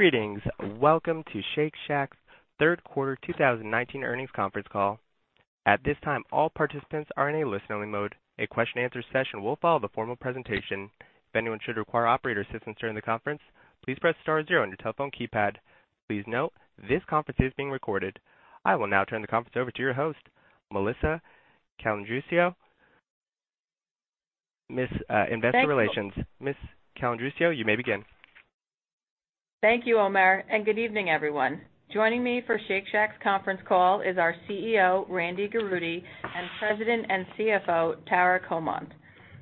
Greetings. Welcome to Shake Shack's third quarter 2019 earnings conference call. At this time, all participants are in a listen-only mode. A question and answer session will follow the formal presentation. If anyone should require operator assistance during the conference, please press star zero on your telephone keypad. Please note, this conference is being recorded. I will now turn the conference over to your host, Melissa Calandruccio, Ms. Investor Relations. Thank you. Ms. Calandruccio, you may begin. Thank you, Omer, and good evening, everyone. Joining me for Shake Shack's conference call is our CEO, Randy Garutti, and President and CFO, Tara Comonte.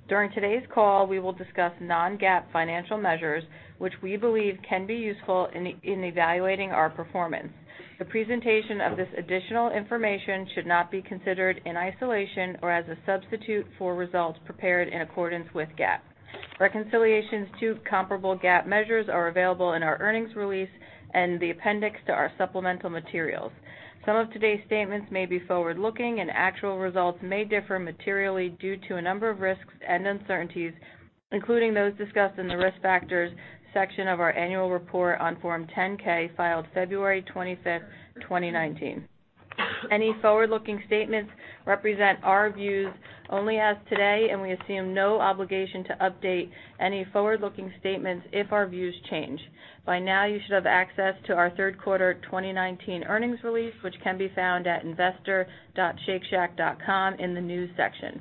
During today's call, we will discuss non-GAAP financial measures which we believe can be useful in evaluating our performance. The presentation of this additional information should not be considered in isolation or as a substitute for results prepared in accordance with GAAP. Reconciliations to comparable GAAP measures are available in our earnings release and the appendix to our supplemental materials. Some of today's statements may be forward-looking, and actual results may differ materially due to a number of risks and uncertainties, including those discussed in the Risk Factors section of our annual report on Form 10-K, filed February 25th, 2019. Any forward-looking statements represent our views only as of today, and we assume no obligation to update any forward-looking statements if our views change. By now, you should have access to our third quarter 2019 earnings release, which can be found at investor.shakeshack.com in the News section.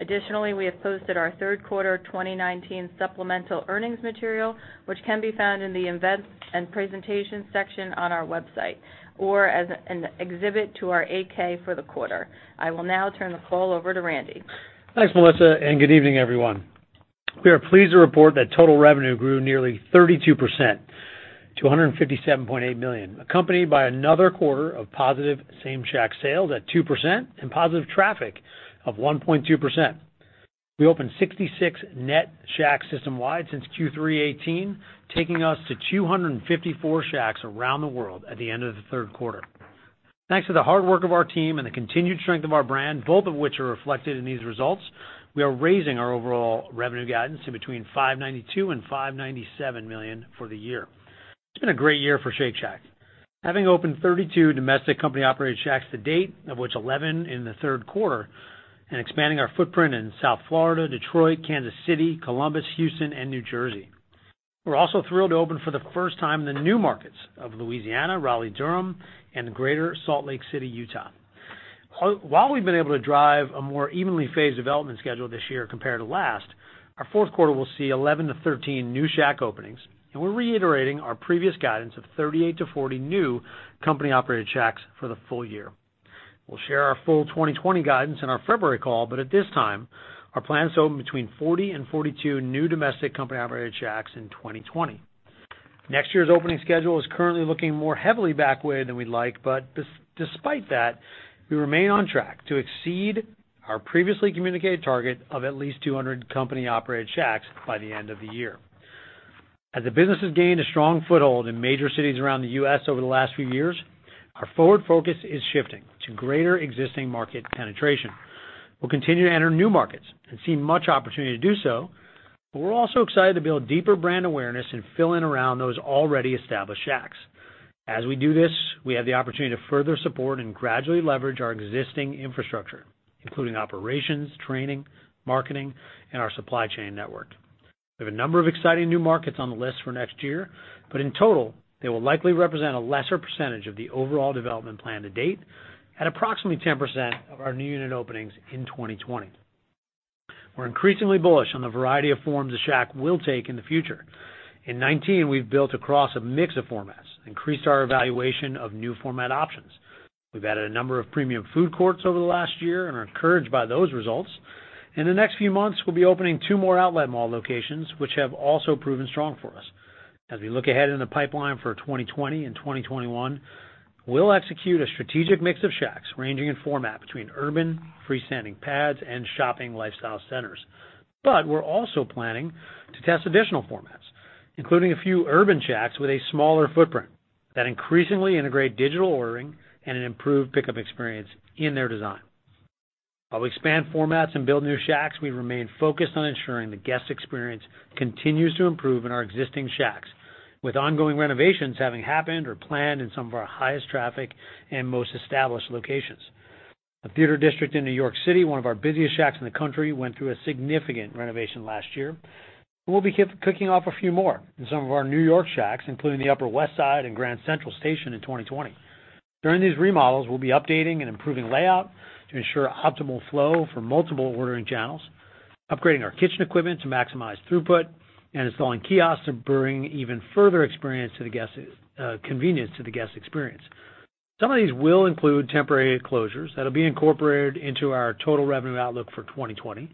Additionally, we have posted our third quarter 2019 supplemental earnings material, which can be found in the Invest and Presentation section on our website, or as an exhibit to our 8-K for the quarter. I will now turn the call over to Randy. Thanks, Melissa, and good evening, everyone. We are pleased to report that total revenue grew nearly 32%, to $157.8 million, accompanied by another quarter of positive Same-Shack sales at 2% and positive traffic of 1.2%. We opened 66 net Shacks system-wide since Q3 2018, taking us to 254 Shacks around the world at the end of the third quarter. Thanks to the hard work of our team and the continued strength of our brand, both of which are reflected in these results, we are raising our overall revenue guidance to between $592 million and $597 million for the year. It's been a great year for Shake Shack, having opened 32 domestic company-operated Shacks to date, of which 11 in the third quarter, and expanding our footprint in South Florida, Detroit, Kansas City, Columbus, Houston, and New Jersey. We're also thrilled to open for the first time the new markets of Louisiana, Raleigh-Durham, and the greater Salt Lake City, Utah. While we've been able to drive a more evenly phased development schedule this year compared to last, our fourth quarter will see 11 to 13 new Shack openings, and we're reiterating our previous guidance of 38 to 40 new company-operated Shacks for the full year. We'll share our full 2020 guidance in our February call. At this time, our plan is to open between 40 and 42 new domestic company-operated Shacks in 2020. Next year's opening schedule is currently looking more heavily back-weighted than we'd like. Despite that, we remain on track to exceed our previously communicated target of at least 200 company-operated Shacks by the end of the year. As the business has gained a strong foothold in major cities around the U.S. over the last few years, our forward focus is shifting to greater existing market penetration. We'll continue to enter new markets and see much opportunity to do so, we're also excited to build deeper brand awareness and fill in around those already established Shacks. As we do this, we have the opportunity to further support and gradually leverage our existing infrastructure, including operations, training, marketing, and our supply chain network. We have a number of exciting new markets on the list for next year, but in total, they will likely represent a lesser percentage of the overall development plan to date, at approximately 10% of our new unit openings in 2020. We're increasingly bullish on the variety of forms The Shack will take in the future. In 2019, we've built across a mix of formats, increased our evaluation of new format options. We've added a number of premium food courts over the last year and are encouraged by those results. In the next few months, we'll be opening 2 more outlet mall locations, which have also proven strong for us. As we look ahead in the pipeline for 2020 and 2021, we'll execute a strategic mix of Shacks, ranging in format between urban, freestanding pads, and shopping lifestyle centers. We're also planning to test additional formats, including a few urban Shacks with a smaller footprint that increasingly integrate digital ordering and an improved pickup experience in their design. While we expand formats and build new Shacks, we remain focused on ensuring the guest experience continues to improve in our existing Shacks, with ongoing renovations having happened or planned in some of our highest traffic and most established locations. The Theater District in New York City, one of our busiest Shacks in the country, went through a significant renovation last year. We'll be kicking off a few more in some of our New York Shacks, including the Upper West Side and Grand Central Station in 2020. During these remodels, we'll be updating and improving layout to ensure optimal flow for multiple ordering channels, upgrading our kitchen equipment to maximize throughput, and installing kiosks to bring even further convenience to the guest experience. Some of these will include temporary closures that'll be incorporated into our total revenue outlook for 2020,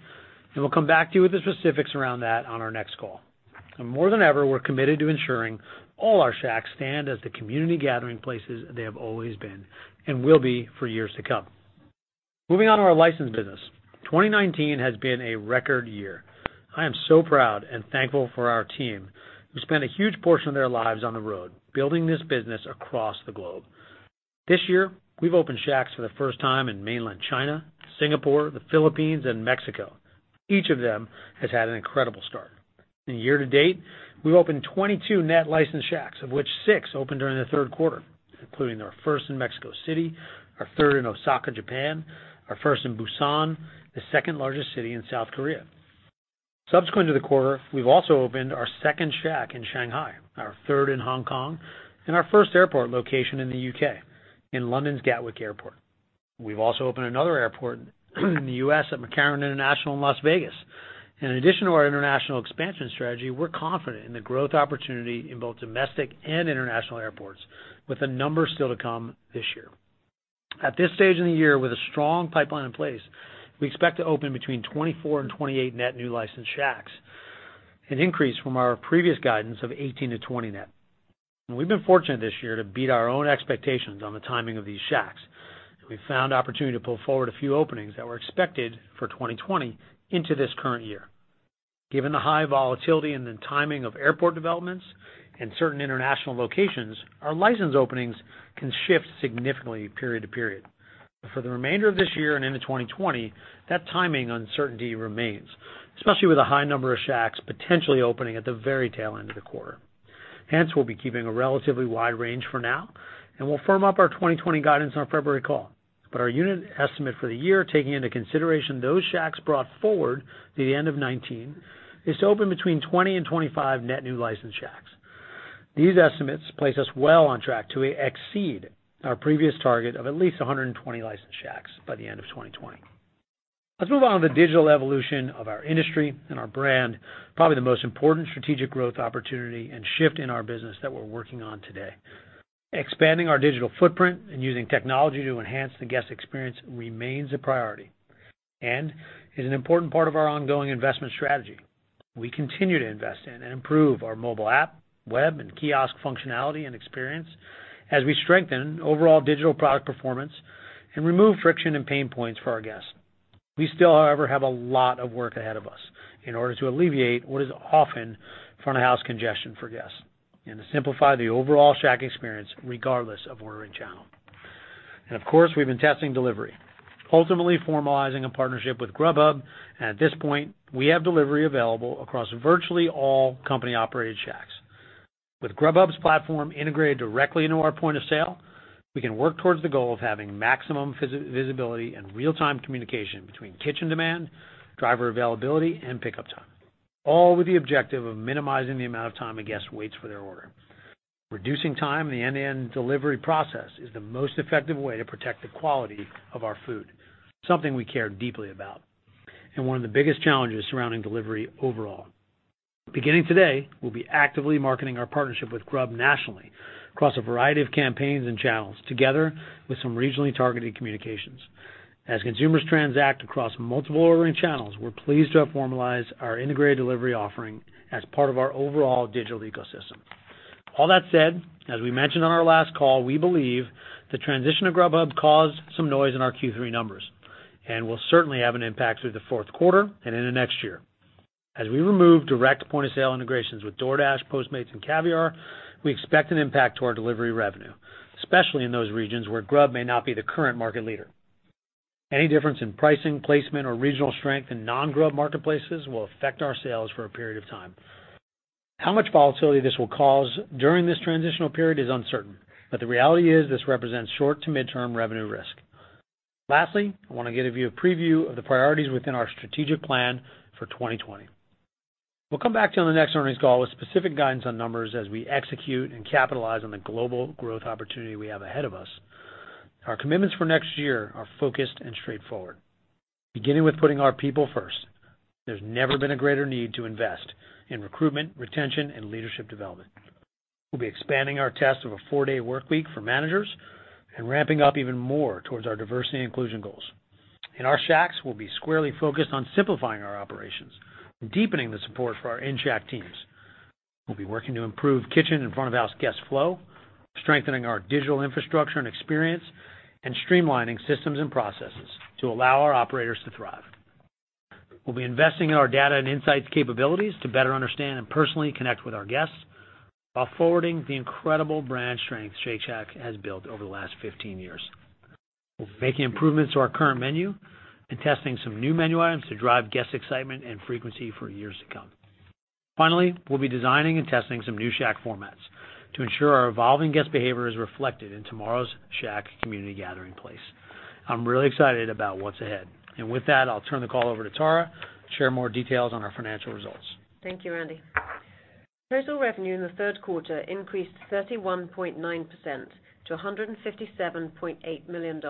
we'll come back to you with the specifics around that on our next call. More than ever, we're committed to ensuring all our Shacks stand as the community gathering places they have always been and will be for years to come. Moving on to our licensed business. 2019 has been a record year. I am so proud and thankful for our team, who spend a huge portion of their lives on the road, building this business across the globe. This year, we've opened Shacks for the first time in mainland China, Singapore, the Philippines, and Mexico. Each of them has had an incredible start. Year-to-date, we've opened 22 net licensed Shacks, of which six opened during the third quarter, including our first in Mexico City, our third in Osaka, Japan, our first in Busan, the second largest city in South Korea. Subsequent to the quarter, we've also opened our second Shack in Shanghai, our third in Hong Kong, and our first airport location in the U.K., in London's Gatwick Airport. We've also opened another airport in the U.S. at McCarran International in Las Vegas. In addition to our international expansion strategy, we're confident in the growth opportunity in both domestic and international airports, with a number still to come this year. At this stage in the year, with a strong pipeline in place, we expect to open between 24 and 28 net new licensed Shacks, an increase from our previous guidance of 18 to 20 net. We've been fortunate this year to beat our own expectations on the timing of these Shacks, and we've found opportunity to pull forward a few openings that were expected for 2020 into this current year. Given the high volatility in the timing of airport developments and certain international locations, our licensed openings can shift significantly period to period. For the remainder of this year and into 2020, that timing uncertainty remains, especially with a high number of Shacks potentially opening at the very tail end of the quarter. Hence, we'll be keeping a relatively wide range for now, and we'll firm up our 2020 guidance on our February call. Our unit estimate for the year, taking into consideration those Shacks brought forward to the end of 2019, is to open between 20 and 25 net new licensed Shacks. These estimates place us well on track to exceed our previous target of at least 120 licensed Shacks by the end of 2020. Let's move on to the digital evolution of our industry and our brand, probably the most important strategic growth opportunity and shift in our business that we're working on today. Expanding our digital footprint and using technology to enhance the guest experience remains a priority and is an important part of our ongoing investment strategy. We continue to invest in and improve our mobile app, web, and kiosk functionality and experience as we strengthen overall digital product performance and remove friction and pain points for our guests. We still, however, have a lot of work ahead of us in order to alleviate what is often front-of-house congestion for guests and to simplify the overall Shack experience, regardless of ordering channel. Of course, we've been testing delivery, ultimately formalizing a partnership with Grubhub, and at this point, we have delivery available across virtually all company-operated Shacks. With Grubhub's platform integrated directly into our point of sale, we can work towards the goal of having maximum visibility and real-time communication between kitchen demand, driver availability, and pickup time, all with the objective of minimizing the amount of time a guest waits for their order. Reducing time in the end-to-end delivery process is the most effective way to protect the quality of our food, something we care deeply about, and one of the biggest challenges surrounding delivery overall. Beginning today, we'll be actively marketing our partnership with Grub nationally across a variety of campaigns and channels, together with some regionally targeted communications. As consumers transact across multiple ordering channels, we're pleased to have formalized our integrated delivery offering as part of our overall digital ecosystem. All that said, as we mentioned on our last call, we believe the transition to Grubhub caused some noise in our Q3 numbers and will certainly have an impact through the fourth quarter and into next year. As we remove direct point-of-sale integrations with DoorDash, Postmates, and Caviar, we expect an impact to our delivery revenue, especially in those regions where Grub may not be the current market leader. Any difference in pricing, placement, or regional strength in non-Grub marketplaces will affect our sales for a period of time. How much volatility this will cause during this transitional period is uncertain, the reality is this represents short to mid-term revenue risk. Lastly, I want to give you a preview of the priorities within our strategic plan for 2020. We'll come back to you on the next earnings call with specific guidance on numbers as we execute and capitalize on the global growth opportunity we have ahead of us. Our commitments for next year are focused and straightforward, beginning with putting our people first. There's never been a greater need to invest in recruitment, retention, and leadership development. We'll be expanding our test of a four-day workweek for managers and ramping up even more towards our diversity and inclusion goals. In our Shacks, we'll be squarely focused on simplifying our operations and deepening the support for our in-Shack teams. We'll be working to improve kitchen and front-of-house guest flow, strengthening our digital infrastructure and experience, and streamlining systems and processes to allow our operators to thrive. We'll be investing in our data and insights capabilities to better understand and personally connect with our guests while forwarding the incredible brand strength Shake Shack has built over the last 15 years. We're making improvements to our current menu and testing some new menu items to drive guest excitement and frequency for years to come. We'll be designing and testing some new Shack formats to ensure our evolving guest behavior is reflected in tomorrow's Shack community gathering place. I'm really excited about what's ahead. With that, I'll turn the call over to Tara to share more details on our financial results. Thank you, Randy. Total revenue in the third quarter increased 31.9% to $157.8 million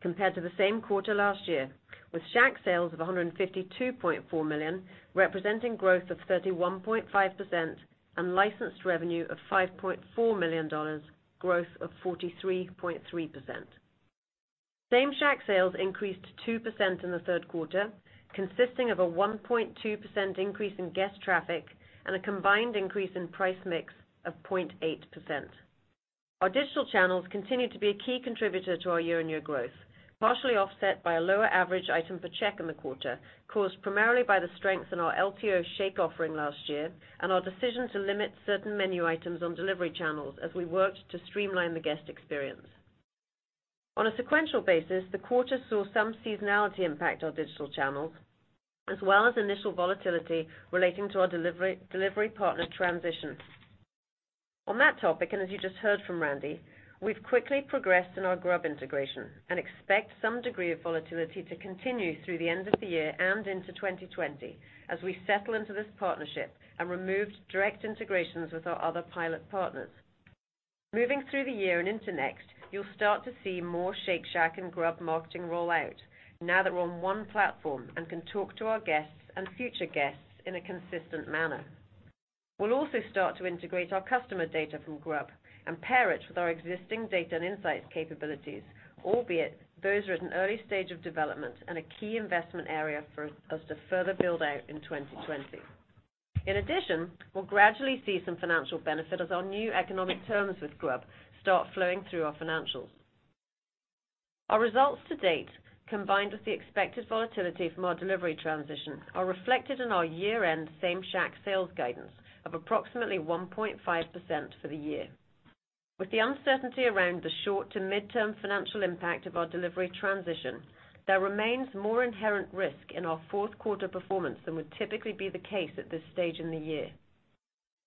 compared to the same quarter last year, with Shack sales of $152.4 million, representing growth of 31.5%, and licensed revenue of $5.4 million, growth of 43.3%. Same-Shack sales increased 2% in the third quarter, consisting of a 1.2% increase in guest traffic and a combined increase in price mix of 0.8%. Our digital channels continue to be a key contributor to our year-on-year growth. Partially offset by a lower average item per check in the quarter, caused primarily by the strength in our LTO shake offering last year, and our decision to limit certain menu items on delivery channels as we worked to streamline the guest experience. On a sequential basis, the quarter saw some seasonality impact our digital channels, as well as initial volatility relating to our delivery partner transition. On that topic, as you just heard from Randy, we've quickly progressed in our Grub integration, and expect some degree of volatility to continue through the end of the year and into 2020 as we settle into this partnership and remove direct integrations with our other pilot partners. Moving through the year and into next, you'll start to see more Shake Shack and Grub marketing roll out now that we're on one platform and can talk to our guests and future guests in a consistent manner. We'll also start to integrate our customer data from Grub and pair it with our existing data and insights capabilities, albeit those are at an early stage of development and a key investment area for us to further build out in 2020. In addition, we'll gradually see some financial benefit as our new economic terms with Grub start flowing through our financials. Our results to date, combined with the expected volatility from our delivery transition, are reflected in our year-end Same-Shack sales guidance of approximately 1.5% for the year. With the uncertainty around the short to mid-term financial impact of our delivery transition, there remains more inherent risk in our fourth quarter performance than would typically be the case at this stage in the year.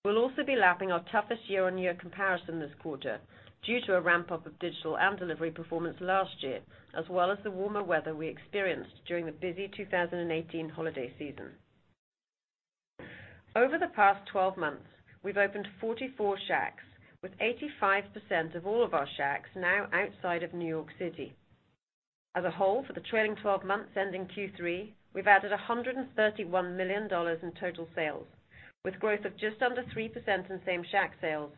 We'll also be lapping our toughest year-on-year comparison this quarter, due to a ramp-up of digital and delivery performance last year, as well as the warmer weather we experienced during the busy 2018 holiday season. Over the past 12 months, we've opened 44 Shacks, with 85% of all of our Shacks now outside of New York City. As a whole, for the trailing 12 months ending Q3, we've added $131 million in total sales, with growth of just under 3% in Same-Shack sales,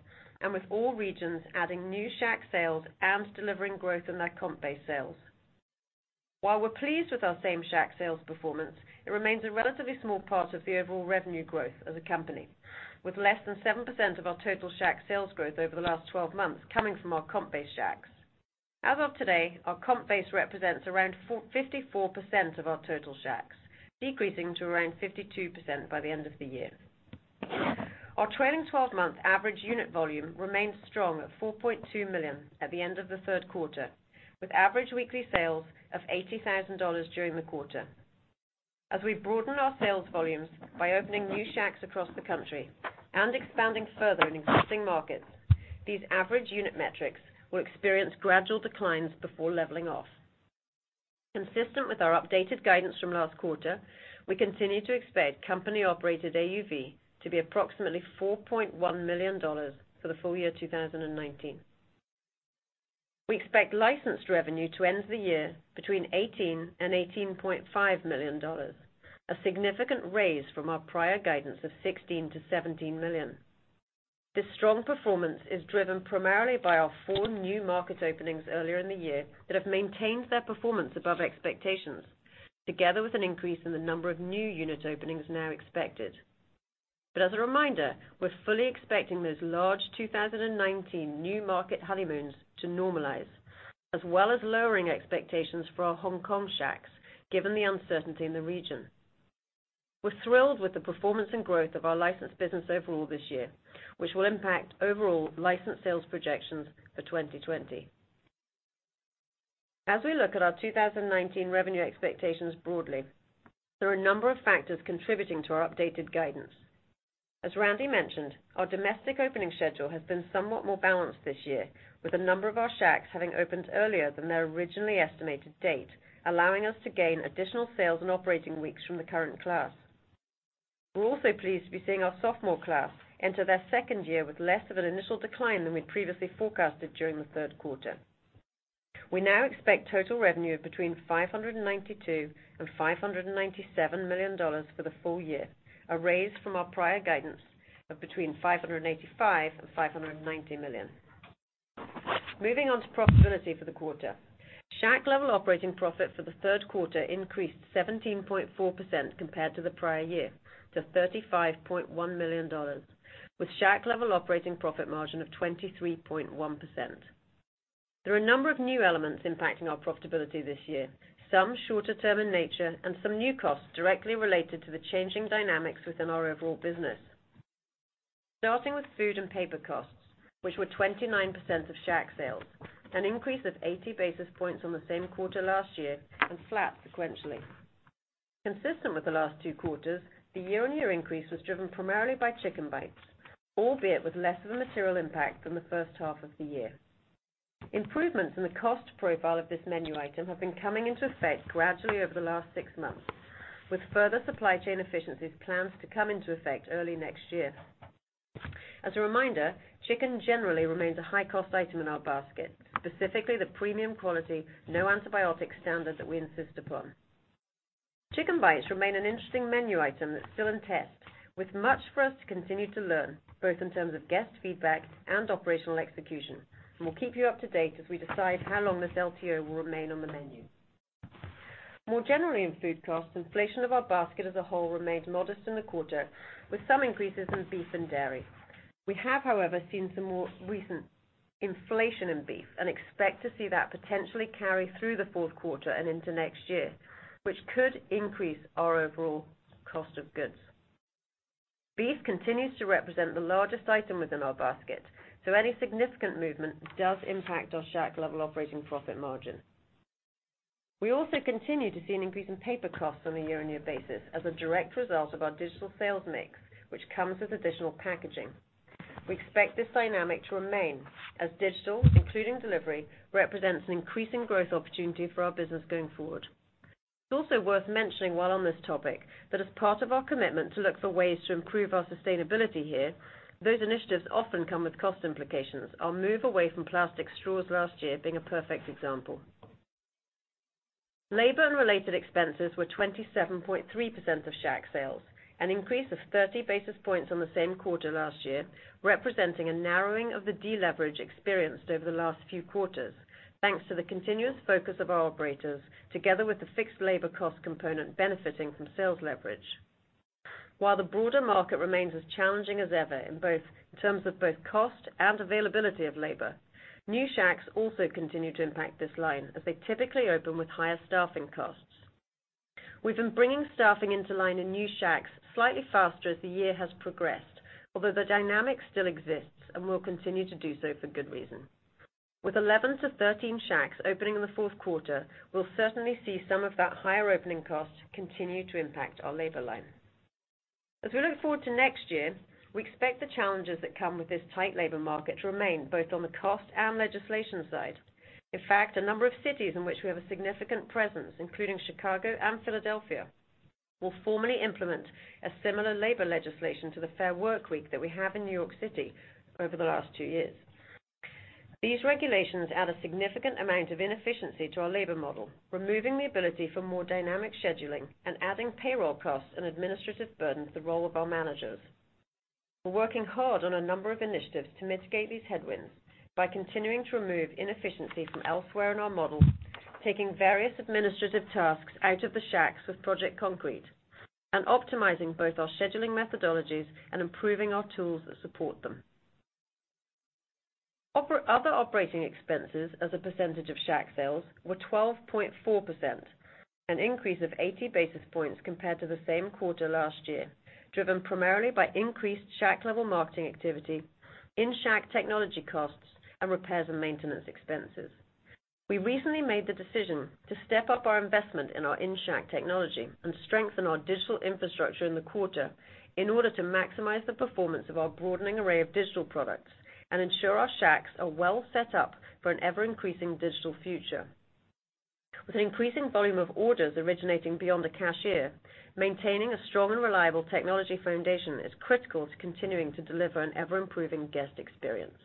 with all regions adding new Shack sales and delivering growth in their comp-base sales. While we're pleased with our Same-Shack sales performance, it remains a relatively small part of the overall revenue growth as a company, with less than 7% of our total Shack sales growth over the last 12 months coming from our comp-based Shacks. As of today, our comp base represents around 54% of our total Shacks, decreasing to around 52% by the end of the year. Our trailing 12-month average unit volume remains strong at $4.2 million at the end of the third quarter, with average weekly sales of $80,000 during the quarter. As we broaden our sales volumes by opening new Shacks across the country and expanding further in existing markets, these average unit metrics will experience gradual declines before leveling off. Consistent with our updated guidance from last quarter, we continue to expect company-operated AUV to be approximately $4.1 million for the full year 2019. We expect licensed revenue to end the year between $18 million and $18.5 million, a significant raise from our prior guidance of $16 million-$17 million. This strong performance is driven primarily by our four new market openings earlier in the year that have maintained their performance above expectations, together with an increase in the number of new unit openings now expected. As a reminder, we're fully expecting those large 2019 new market honeymoons to normalize, as well as lowering expectations for our Hong Kong Shacks given the uncertainty in the region. We're thrilled with the performance and growth of our licensed business overall this year, which will impact overall licensed sales projections for 2020. As we look at our 2019 revenue expectations broadly, there are a number of factors contributing to our updated guidance. As Randy mentioned, our domestic opening schedule has been somewhat more balanced this year, with a number of our Shacks having opened earlier than their originally estimated date, allowing us to gain additional sales and operating weeks from the current class. We're also pleased to be seeing our sophomore class enter their second year with less of an initial decline than we'd previously forecasted during the third quarter. We now expect total revenue of between $592 million and $597 million for the full year, a raise from our prior guidance of between $585 million and $590 million. Moving on to profitability for the quarter. Shack-level operating profit for the third quarter increased 17.4% compared to the prior year, to $35.1 million, with Shack-level operating profit margin of 23.1%. There are a number of new elements impacting our profitability this year, some shorter term in nature and some new costs directly related to the changing dynamics within our overall business. Starting with food and paper costs, which were 29% of Shack sales, an increase of 80 basis points on the same quarter last year and flat sequentially. Consistent with the last two quarters, the year-on-year increase was driven primarily by Chicken Bites, albeit with less of a material impact than the first half of the year. Improvements in the cost profile of this menu item have been coming into effect gradually over the last six months, with further supply chain efficiencies planned to come into effect early next year. As a reminder, chicken generally remains a high-cost item in our basket, specifically the premium quality, no antibiotic standard that we insist upon. Chicken Bites remain an interesting menu item that's still in test, with much for us to continue to learn, both in terms of guest feedback and operational execution. We'll keep you up to date as we decide how long this LTO will remain on the menu. More generally in food costs, inflation of our basket as a whole remained modest in the quarter, with some increases in beef and dairy. We have, however, seen some more recent inflation in beef and expect to see that potentially carry through the fourth quarter and into next year, which could increase our overall cost of goods. Beef continues to represent the largest item within our basket, so any significant movement does impact our Shack-level operating profit margin. We also continue to see an increase in paper costs on a year-on-year basis as a direct result of our digital sales mix, which comes with additional packaging. We expect this dynamic to remain as digital, including delivery, represents an increasing growth opportunity for our business going forward. It's also worth mentioning while on this topic, that as part of our commitment to look for ways to improve our sustainability here, those initiatives often come with cost implications. Our move away from plastic straws last year being a perfect example. Labor and related expenses were 27.3% of Shack sales, an increase of 30 basis points on the same quarter last year, representing a narrowing of the deleverage experienced over the last few quarters, thanks to the continuous focus of our operators, together with the fixed labor cost component benefiting from sales leverage. While the broader market remains as challenging as ever in terms of both cost and availability of labor, new Shacks also continue to impact this line as they typically open with higher staffing costs. We've been bringing staffing into line in new Shacks slightly faster as the year has progressed, although the dynamic still exists and will continue to do so for good reason. With 11 to 13 Shacks opening in the fourth quarter, we'll certainly see some of that higher opening cost continue to impact our labor line. As we look forward to next year, we expect the challenges that come with this tight labor market to remain both on the cost and legislation side. A number of cities in which we have a significant presence, including Chicago and Philadelphia, will formally implement a similar labor legislation to the Fair Workweek that we have in New York City over the last two years. These regulations add a significant amount of inefficiency to our labor model, removing the ability for more dynamic scheduling and adding payroll costs and administrative burden to the role of our managers. We're working hard on a number of initiatives to mitigate these headwinds by continuing to remove inefficiency from elsewhere in our model, taking various administrative tasks out of the Shacks with Project Concrete, and optimizing both our scheduling methodologies and improving our tools that support them. Other operating expenses as a percentage of Shack sales were 12.4%, an increase of 80 basis points compared to the same quarter last year, driven primarily by increased Shack-level marketing activity, in-Shack technology costs, and repairs and maintenance expenses. We recently made the decision to step up our investment in our in-Shack technology and strengthen our digital infrastructure in the quarter in order to maximize the performance of our broadening array of digital products and ensure our Shacks are well set up for an ever-increasing digital future. With an increasing volume of orders originating beyond the cashier, maintaining a strong and reliable technology foundation is critical to continuing to deliver an ever-improving guest experience.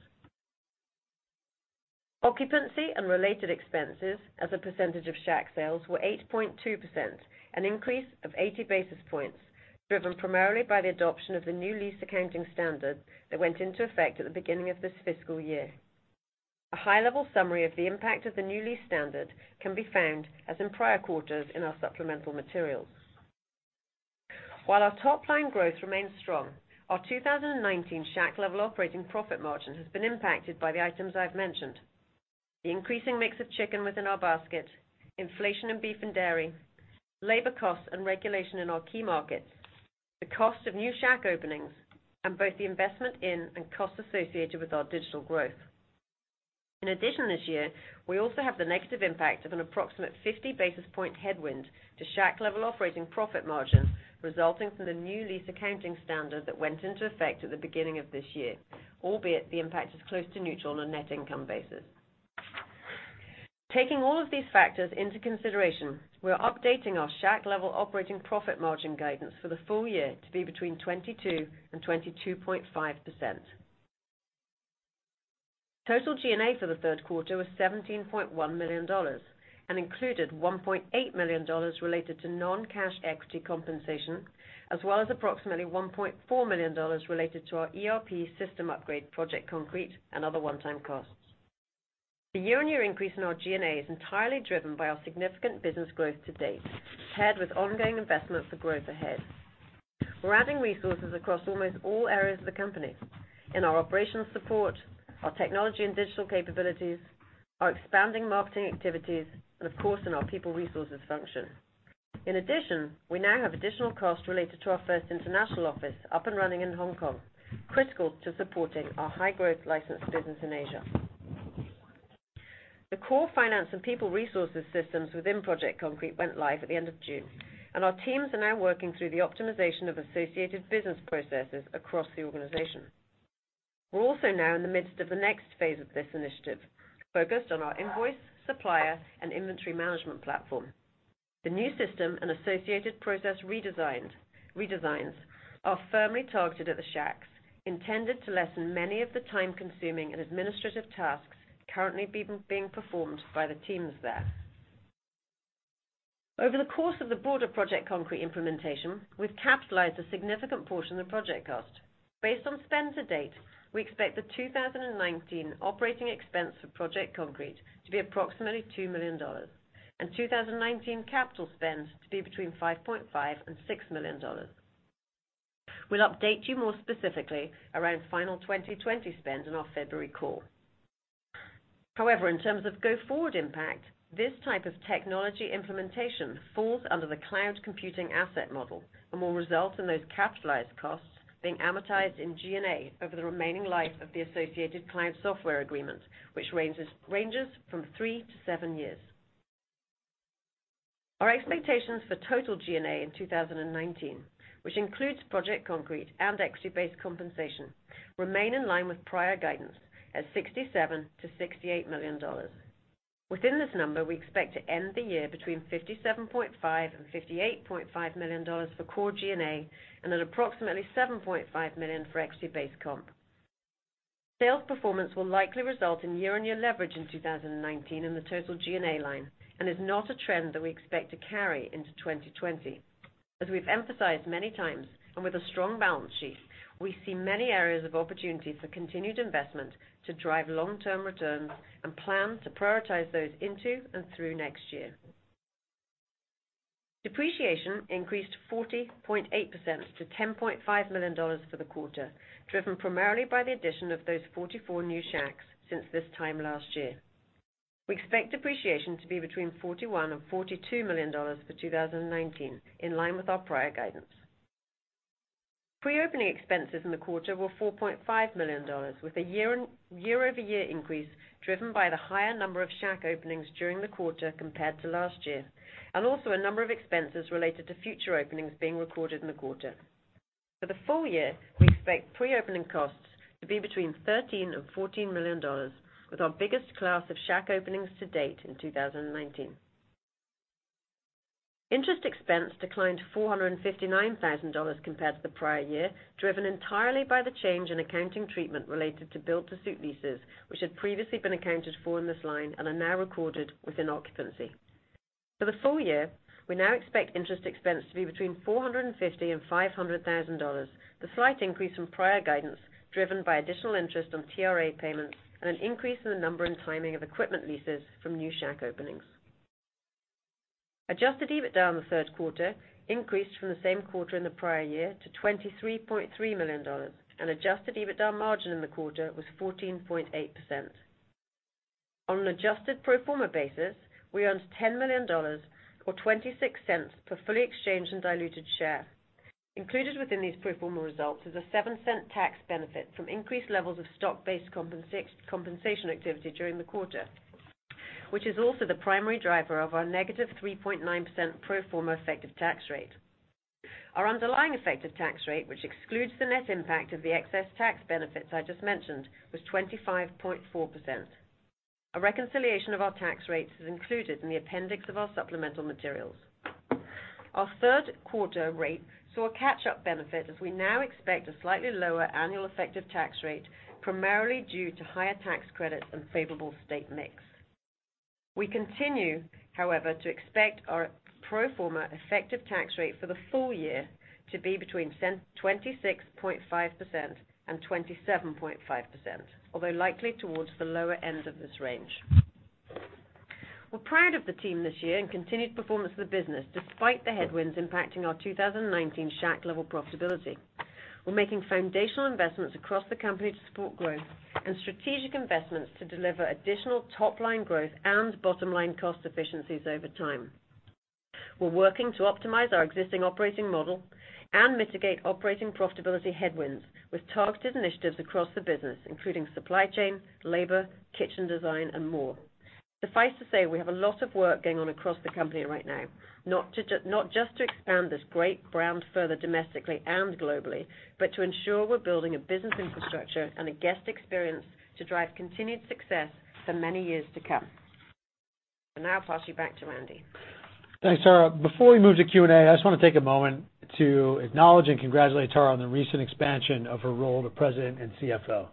Occupancy and related expenses as a percentage of Shack sales were 8.2%, an increase of 80 basis points, driven primarily by the adoption of the new lease accounting standard that went into effect at the beginning of this fiscal year. A high-level summary of the impact of the new lease standard can be found, as in prior quarters, in our supplemental materials. While our top-line growth remains strong, our 2019 Shack-level operating profit margin has been impacted by the items I've mentioned. The increasing mix of chicken within our basket, inflation in beef and dairy, labor costs and regulation in our key markets, the cost of new Shack openings, and both the investment in and cost associated with our digital growth. In addition, this year, we also have the negative impact of an approximate 50 basis point headwind to Shack-level operating profit margin resulting from the new lease accounting standard that went into effect at the beginning of this year, albeit the impact is close to neutral on a net income basis. Taking all of these factors into consideration, we're updating our Shack-level operating profit margin guidance for the full year to be between 22% and 22.5%. Total G&A for the third quarter was $17.1 million and included $1.8 million related to non-cash equity compensation, as well as approximately $1.4 million related to our ERP system upgrade Project Concrete and other one-time costs. The year-on-year increase in our G&A is entirely driven by our significant business growth to date, paired with ongoing investment for growth ahead. We're adding resources across almost all areas of the company. In our operations support, our technology and digital capabilities, our expanding marketing activities, and of course, in our people resources function. In addition, we now have additional costs related to our first international office up and running in Hong Kong, critical to supporting our high-growth licensed business in Asia. The core finance and people resources systems within Project Concrete went live at the end of June, and our teams are now working through the optimization of associated business processes across the organization. We're also now in the midst of the next phase of this initiative, focused on our invoice, supplier, and inventory management platform. The new system and associated process redesigns are firmly targeted at the Shacks, intended to lessen many of the time-consuming and administrative tasks currently being performed by the teams there. Over the course of the broader Project Concrete implementation, we've capitalized a significant portion of the project cost. Based on spend to date, we expect the 2019 OpEx for Project Concrete to be approximately $2 million, and 2019 capital spend to be between $5.5 million and $6 million. We'll update you more specifically around final 2020 spend in our February call. In terms of go-forward impact, this type of technology implementation falls under the cloud computing asset model and will result in those capitalized costs being amortized in G&A over the remaining life of the associated client software agreement, which ranges from 3 to 7 years. Our expectations for total G&A in 2019, which includes Project Concrete and equity-based compensation, remain in line with prior guidance at $67 million to $68 million. Within this number, we expect to end the year between $57.5 million and $58.5 million for core G&A and at approximately $7.5 million for equity-based comp. Sales performance will likely result in year-on-year leverage in 2019 in the total G&A line and is not a trend that we expect to carry into 2020. As we've emphasized many times, and with a strong balance sheet, we see many areas of opportunities for continued investment to drive long-term returns and plan to prioritize those into and through next year. Depreciation increased 40.8% to $10.5 million for the quarter, driven primarily by the addition of those 44 new Shacks since this time last year. We expect depreciation to be between $41 million and $42 million for 2019, in line with our prior guidance. Pre-opening expenses in the quarter were $4.5 million, with a year-over-year increase driven by the higher number of Shack openings during the quarter compared to last year, and also a number of expenses related to future openings being recorded in the quarter. For the full year, we expect pre-opening costs to be between $13 million and $14 million, with our biggest class of Shack openings to date in 2019. Interest expense declined to $459,000 compared to the prior year, driven entirely by the change in accounting treatment related to built-to-suit leases, which had previously been accounted for in this line and are now recorded within occupancy. For the full year, we now expect interest expense to be between $450,000 and $500,000, the slight increase from prior guidance driven by additional interest on TRA payments and an increase in the number and timing of equipment leases from new Shack openings. Adjusted EBITDA in the third quarter increased from the same quarter in the prior year to $23.3 million, and adjusted EBITDA margin in the quarter was 14.8%. On an adjusted pro forma basis, we earned $10 million, or $0.26 per fully exchanged and diluted share. Included within these pro forma results is a $0.07 tax benefit from increased levels of stock-based compensation activity during the quarter, which is also the primary driver of our negative 3.9% pro forma effective tax rate. Our underlying effective tax rate, which excludes the net impact of the excess tax benefits I just mentioned, was 25.4%. A reconciliation of our tax rates is included in the appendix of our supplemental materials. Our third quarter rate saw a catch-up benefit as we now expect a slightly lower annual effective tax rate, primarily due to higher tax credits and favorable state mix. We continue, however, to expect our pro forma effective tax rate for the full year to be between 26.5% and 27.5%, although likely towards the lower end of this range. We're proud of the team this year and continued performance of the business, despite the headwinds impacting our 2019 Shack-level profitability. We're making foundational investments across the company to support growth and strategic investments to deliver additional top-line growth and bottom-line cost efficiencies over time. We're working to optimize our existing operating model and mitigate operating profitability headwinds with targeted initiatives across the business, including supply chain, labor, kitchen design, and more. Suffice to say, we have a lot of work going on across the company right now, not just to expand this great brand further domestically and globally, but to ensure we're building a business infrastructure and a guest experience to drive continued success for many years to come. I'll now pass you back to Randy. Thanks, Tara. Before we move to Q&A, I just want to take a moment to acknowledge and congratulate Tara on the recent expansion of her role to President and CFO.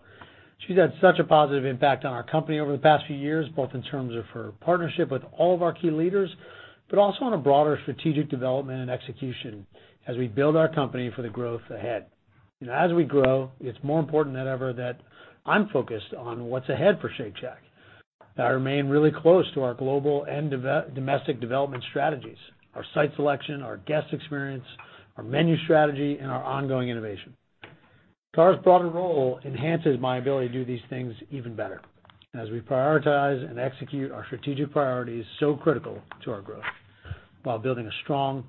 She's had such a positive impact on our company over the past few years, both in terms of her partnership with all of our key leaders, but also on a broader strategic development and execution as we build our company for the growth ahead. As we grow, it's more important than ever that I'm focused on what's ahead for Shake Shack, that I remain really close to our global and domestic development strategies, our site selection, our guest experience, our menu strategy, and our ongoing innovation. Tara's broader role enhances my ability to do these things even better as we prioritize and execute our strategic priorities so critical to our growth while building a strong,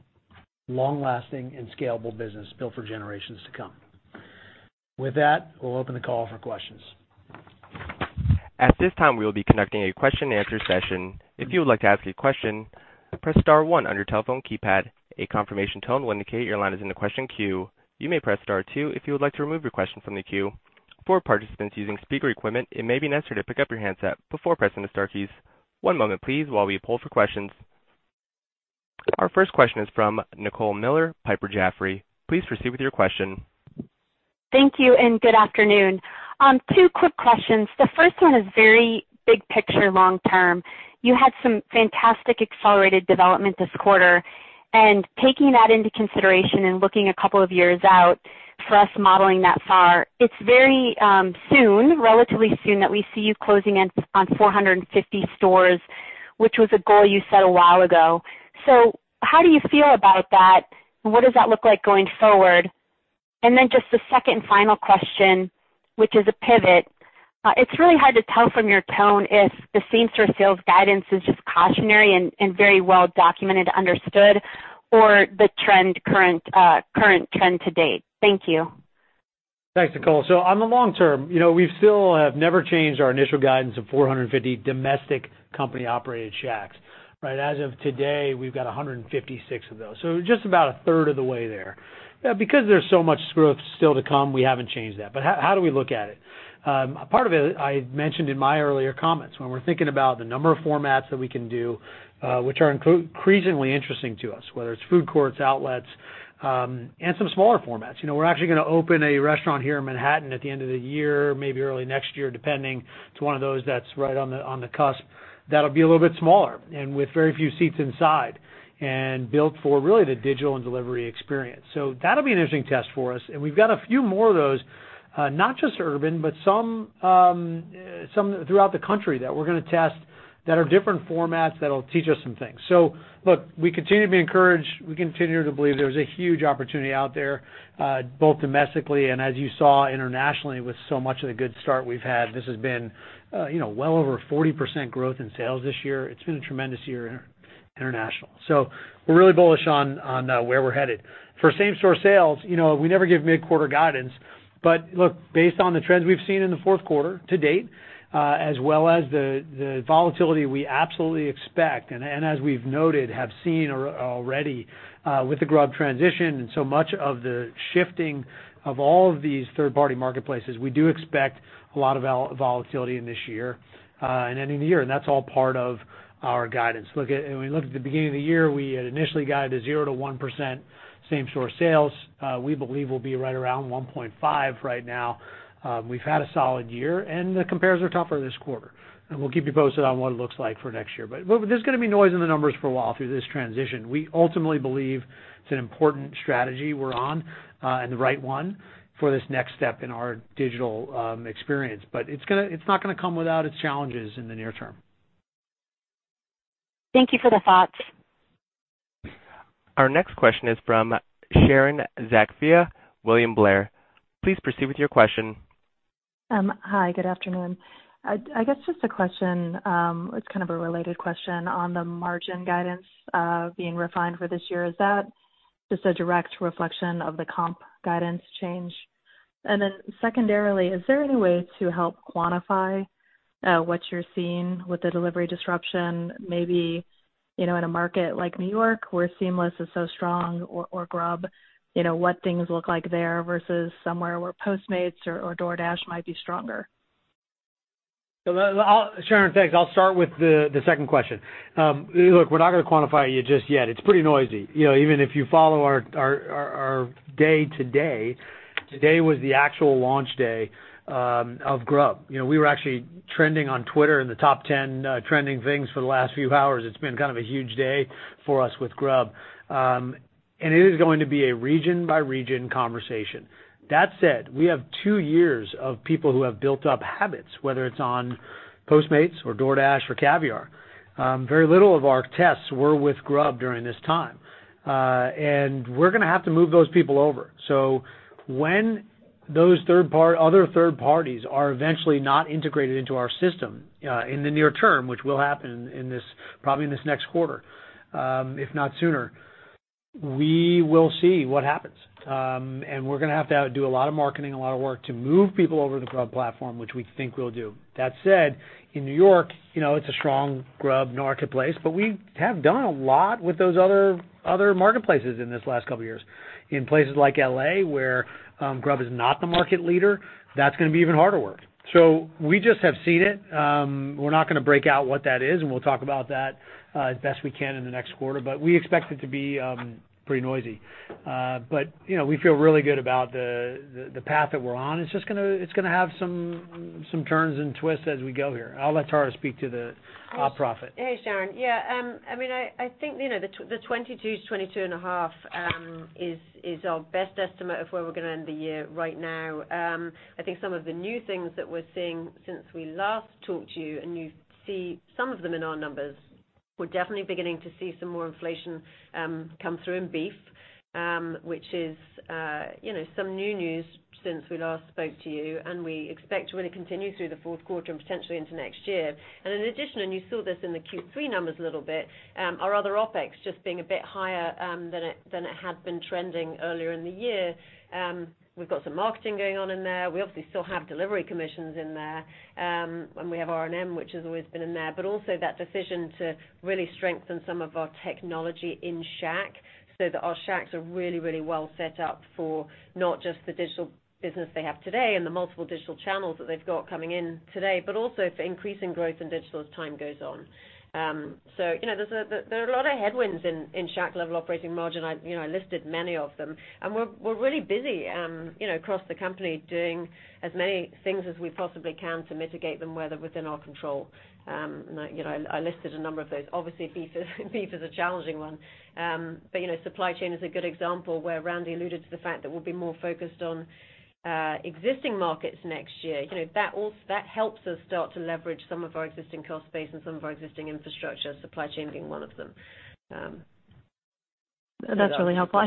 long-lasting, and scalable business built for generations to come. With that, we'll open the call for questions. At this time, we will be conducting a question and answer session. If you would like to ask a question, press star 1 on your telephone keypad. A confirmation tone will indicate your line is in the question queue. You may press star 2 if you would like to remove your question from the queue. For participants using speaker equipment, it may be necessary to pick up your handset before pressing the star keys. One moment, please, while we poll for questions. Our first question is from Nicole Miller, Piper Jaffray. Please proceed with your question. Thank you. Good afternoon. Two quick questions. The first one is very big-picture long term. You had some fantastic accelerated development this quarter. Taking that into consideration and looking a couple of years out for us modeling that far, it's very soon, relatively soon, that we see you closing in on 450 stores, which was a goal you set a while ago. How do you feel about that? What does that look like going forward? Then just the second and final question, which is a pivot. It's really hard to tell from your tone if the Same-Shack sales guidance is just cautionary and very well documented, understood, or the current trend to date. Thank you. Thanks, Nicole. On the long term, we still have never changed our initial guidance of 450 domestic company-operated Shacks. As of today, we've got 156 of those, so just about a third of the way there. There's so much growth still to come, we haven't changed that. How do we look at it? Part of it I mentioned in my earlier comments, when we're thinking about the number of formats that we can do, which are increasingly interesting to us, whether it's food courts, outlets, and some smaller formats. We're actually going to open a restaurant here in Manhattan at the end of the year, maybe early next year, depending. It's one of those that's right on the cusp. That'll be a little bit smaller and with very few seats inside and built for really the digital and delivery experience. That'll be an interesting test for us. We've got a few more of those, not just urban, but some throughout the country that we're going to test that are different formats that'll teach us some things. Look, we continue to be encouraged. We continue to believe there's a huge opportunity out there, both domestically and, as you saw, internationally with so much of the good start we've had. This has been well over 40% growth in sales this year. It's been a tremendous year international. We're really bullish on where we're headed. For Same-Shack sales, we never give mid-quarter guidance. Look, based on the trends we've seen in the fourth quarter to date, as well as the volatility we absolutely expect and as we've noted, have seen already with the Grubhub transition and so much of the shifting of all of these third-party marketplaces, we do expect a lot of volatility in this year and ending the year, and that's all part of our guidance. When we looked at the beginning of the year, we had initially guided 0%-1% Same-Shack sales. We believe we'll be right around 1.5% right now. We've had a solid year. The compares are tougher this quarter. We'll keep you posted on what it looks like for next year. There's going to be noise in the numbers for a while through this transition. We ultimately believe it's an important strategy we're on, and the right one for this next step in our digital experience. It's not going to come without its challenges in the near term. Thank you for the thoughts. Our next question is from Sharon Zackfia, William Blair. Please proceed with your question. Hi, good afternoon. I guess just a question, it's kind of a related question on the margin guidance being refined for this year. Is that just a direct reflection of the comp guidance change? Secondarily, is there any way to help quantify what you're seeing with the delivery disruption, maybe, in a market like New York where Seamless is so strong or Grubhub, what things look like there versus somewhere where Postmates or DoorDash might be stronger? Sharon, thanks. I'll start with the second question. Look, we're not going to quantify you just yet. It's pretty noisy. Even if you follow our day today was the actual launch day of Grubhub. We were actually trending on Twitter in the top 10 trending things for the last few hours. It's been kind of a huge day for us with Grubhub. It is going to be a region-by-region conversation. That said, we have two years of people who have built up habits, whether it's on Postmates or DoorDash or Caviar. Very little of our tests were with Grubhub during this time. We're going to have to move those people over. When those other third parties are eventually not integrated into our system in the near term, which will happen probably in this next quarter if not sooner, we will see what happens. We're going to have to do a lot of marketing, a lot of work to move people over to the Grubhub platform, which we think we'll do. That said, in New York, it's a strong Grubhub marketplace, but we have done a lot with those other marketplaces in these last couple of years. In places like L.A., where Grubhub is not the market leader, that's going to be even harder work. We just have seen it. We're not going to break out what that is, and we'll talk about that as best we can in the next quarter. We expect it to be pretty noisy. We feel really good about the path that we're on. It's just going to have some turns and twists as we go here. I'll let Tara speak to the op profit. Hey, Sharon. Yeah. I think the 22%-22.5% is our best estimate of where we're going to end the year right now. I think some of the new things that we're seeing since we last talked to you, and you see some of them in our numbers, we're definitely beginning to see some more inflation come through in beef which is some new news since we last spoke to you, and we expect to really continue through the fourth quarter and potentially into next year. In addition, and you saw this in the Q3 numbers a little bit, our other OpEx just being a bit higher than it had been trending earlier in the year. We've got some marketing going on in there. We obviously still have delivery commissions in there. We have R&M, which has always been in there, but also that decision to really strengthen some of our technology in Shack so that our Shacks are really, really well set up for not just the digital business they have today and the multiple digital channels that they've got coming in today, but also for increasing growth in digital as time goes on. There are a lot of headwinds in Shack-level operating margin. I listed many of them, and we're really busy across the company doing as many things as we possibly can to mitigate them where they're within our control, and I listed a number of those. Obviously, beef is a challenging one. Supply chain is a good example where Randy alluded to the fact that we'll be more focused on existing markets next year. That helps us start to leverage some of our existing cost base and some of our existing infrastructure, supply chain being one of them. That's really helpful.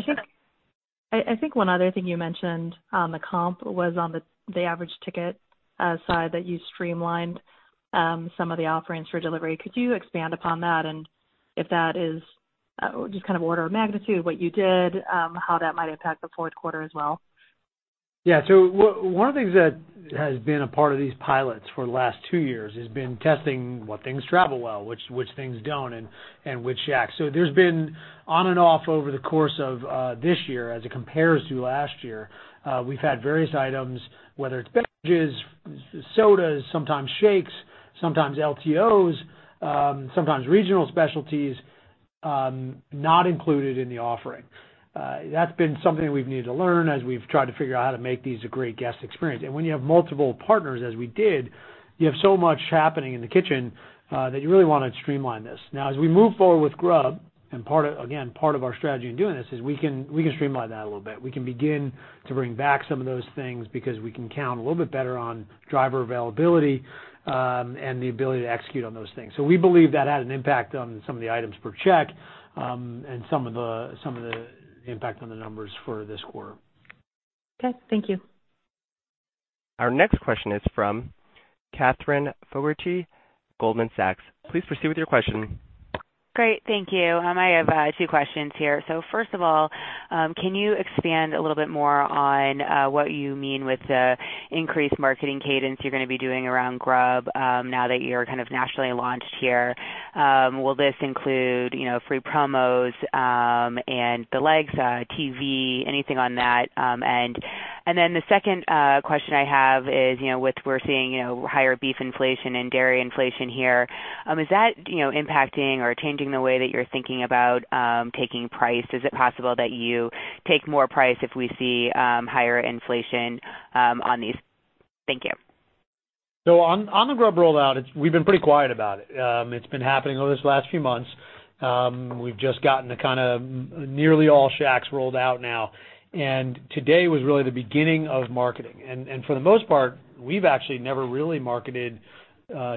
I think one other thing you mentioned on the comp was on the average ticket side that you streamlined some of the offerings for delivery. Could you expand upon that? If that is just order of magnitude, what you did, how that might impact the fourth quarter as well. One of the things that has been a part of these pilots for the last 2 years has been testing what things travel well, which things don't, and which Shack. There's been on and off over the course of this year as it compares to last year. We've had various items, whether it's beverages, sodas, sometimes shakes, sometimes LTOs, sometimes regional specialties, not included in the offering. That's been something we've needed to learn as we've tried to figure out how to make these a great guest experience. When you have multiple partners as we did, you have so much happening in the kitchen, that you really want to streamline this. Now, as we move forward with Grub, and again, part of our strategy in doing this is we can streamline that a little bit. We can begin to bring back some of those things because we can count a little bit better on driver availability, and the ability to execute on those things. We believe that had an impact on some of the items per check, and some of the impact on the numbers for this quarter. Okay. Thank you. Our next question is from Katherine Fogertey, Goldman Sachs. Please proceed with your question. Great. Thank you. I have two questions here. First of all, can you expand a little bit more on what you mean with the increased marketing cadence you're going to be doing around Grub now that you're nationally launched here? Will this include free promos and the likes, TV, anything on that? Then the second question I have is with we're seeing higher beef inflation and dairy inflation here, is that impacting or changing the way that you're thinking about taking price? Is it possible that you take more price if we see higher inflation on these? Thank you. On the Grubhub rollout, we've been pretty quiet about it. It's been happening over this last few months. We've just gotten to nearly all Shacks rolled out now, and today was really the beginning of marketing. For the most part, we've actually never really marketed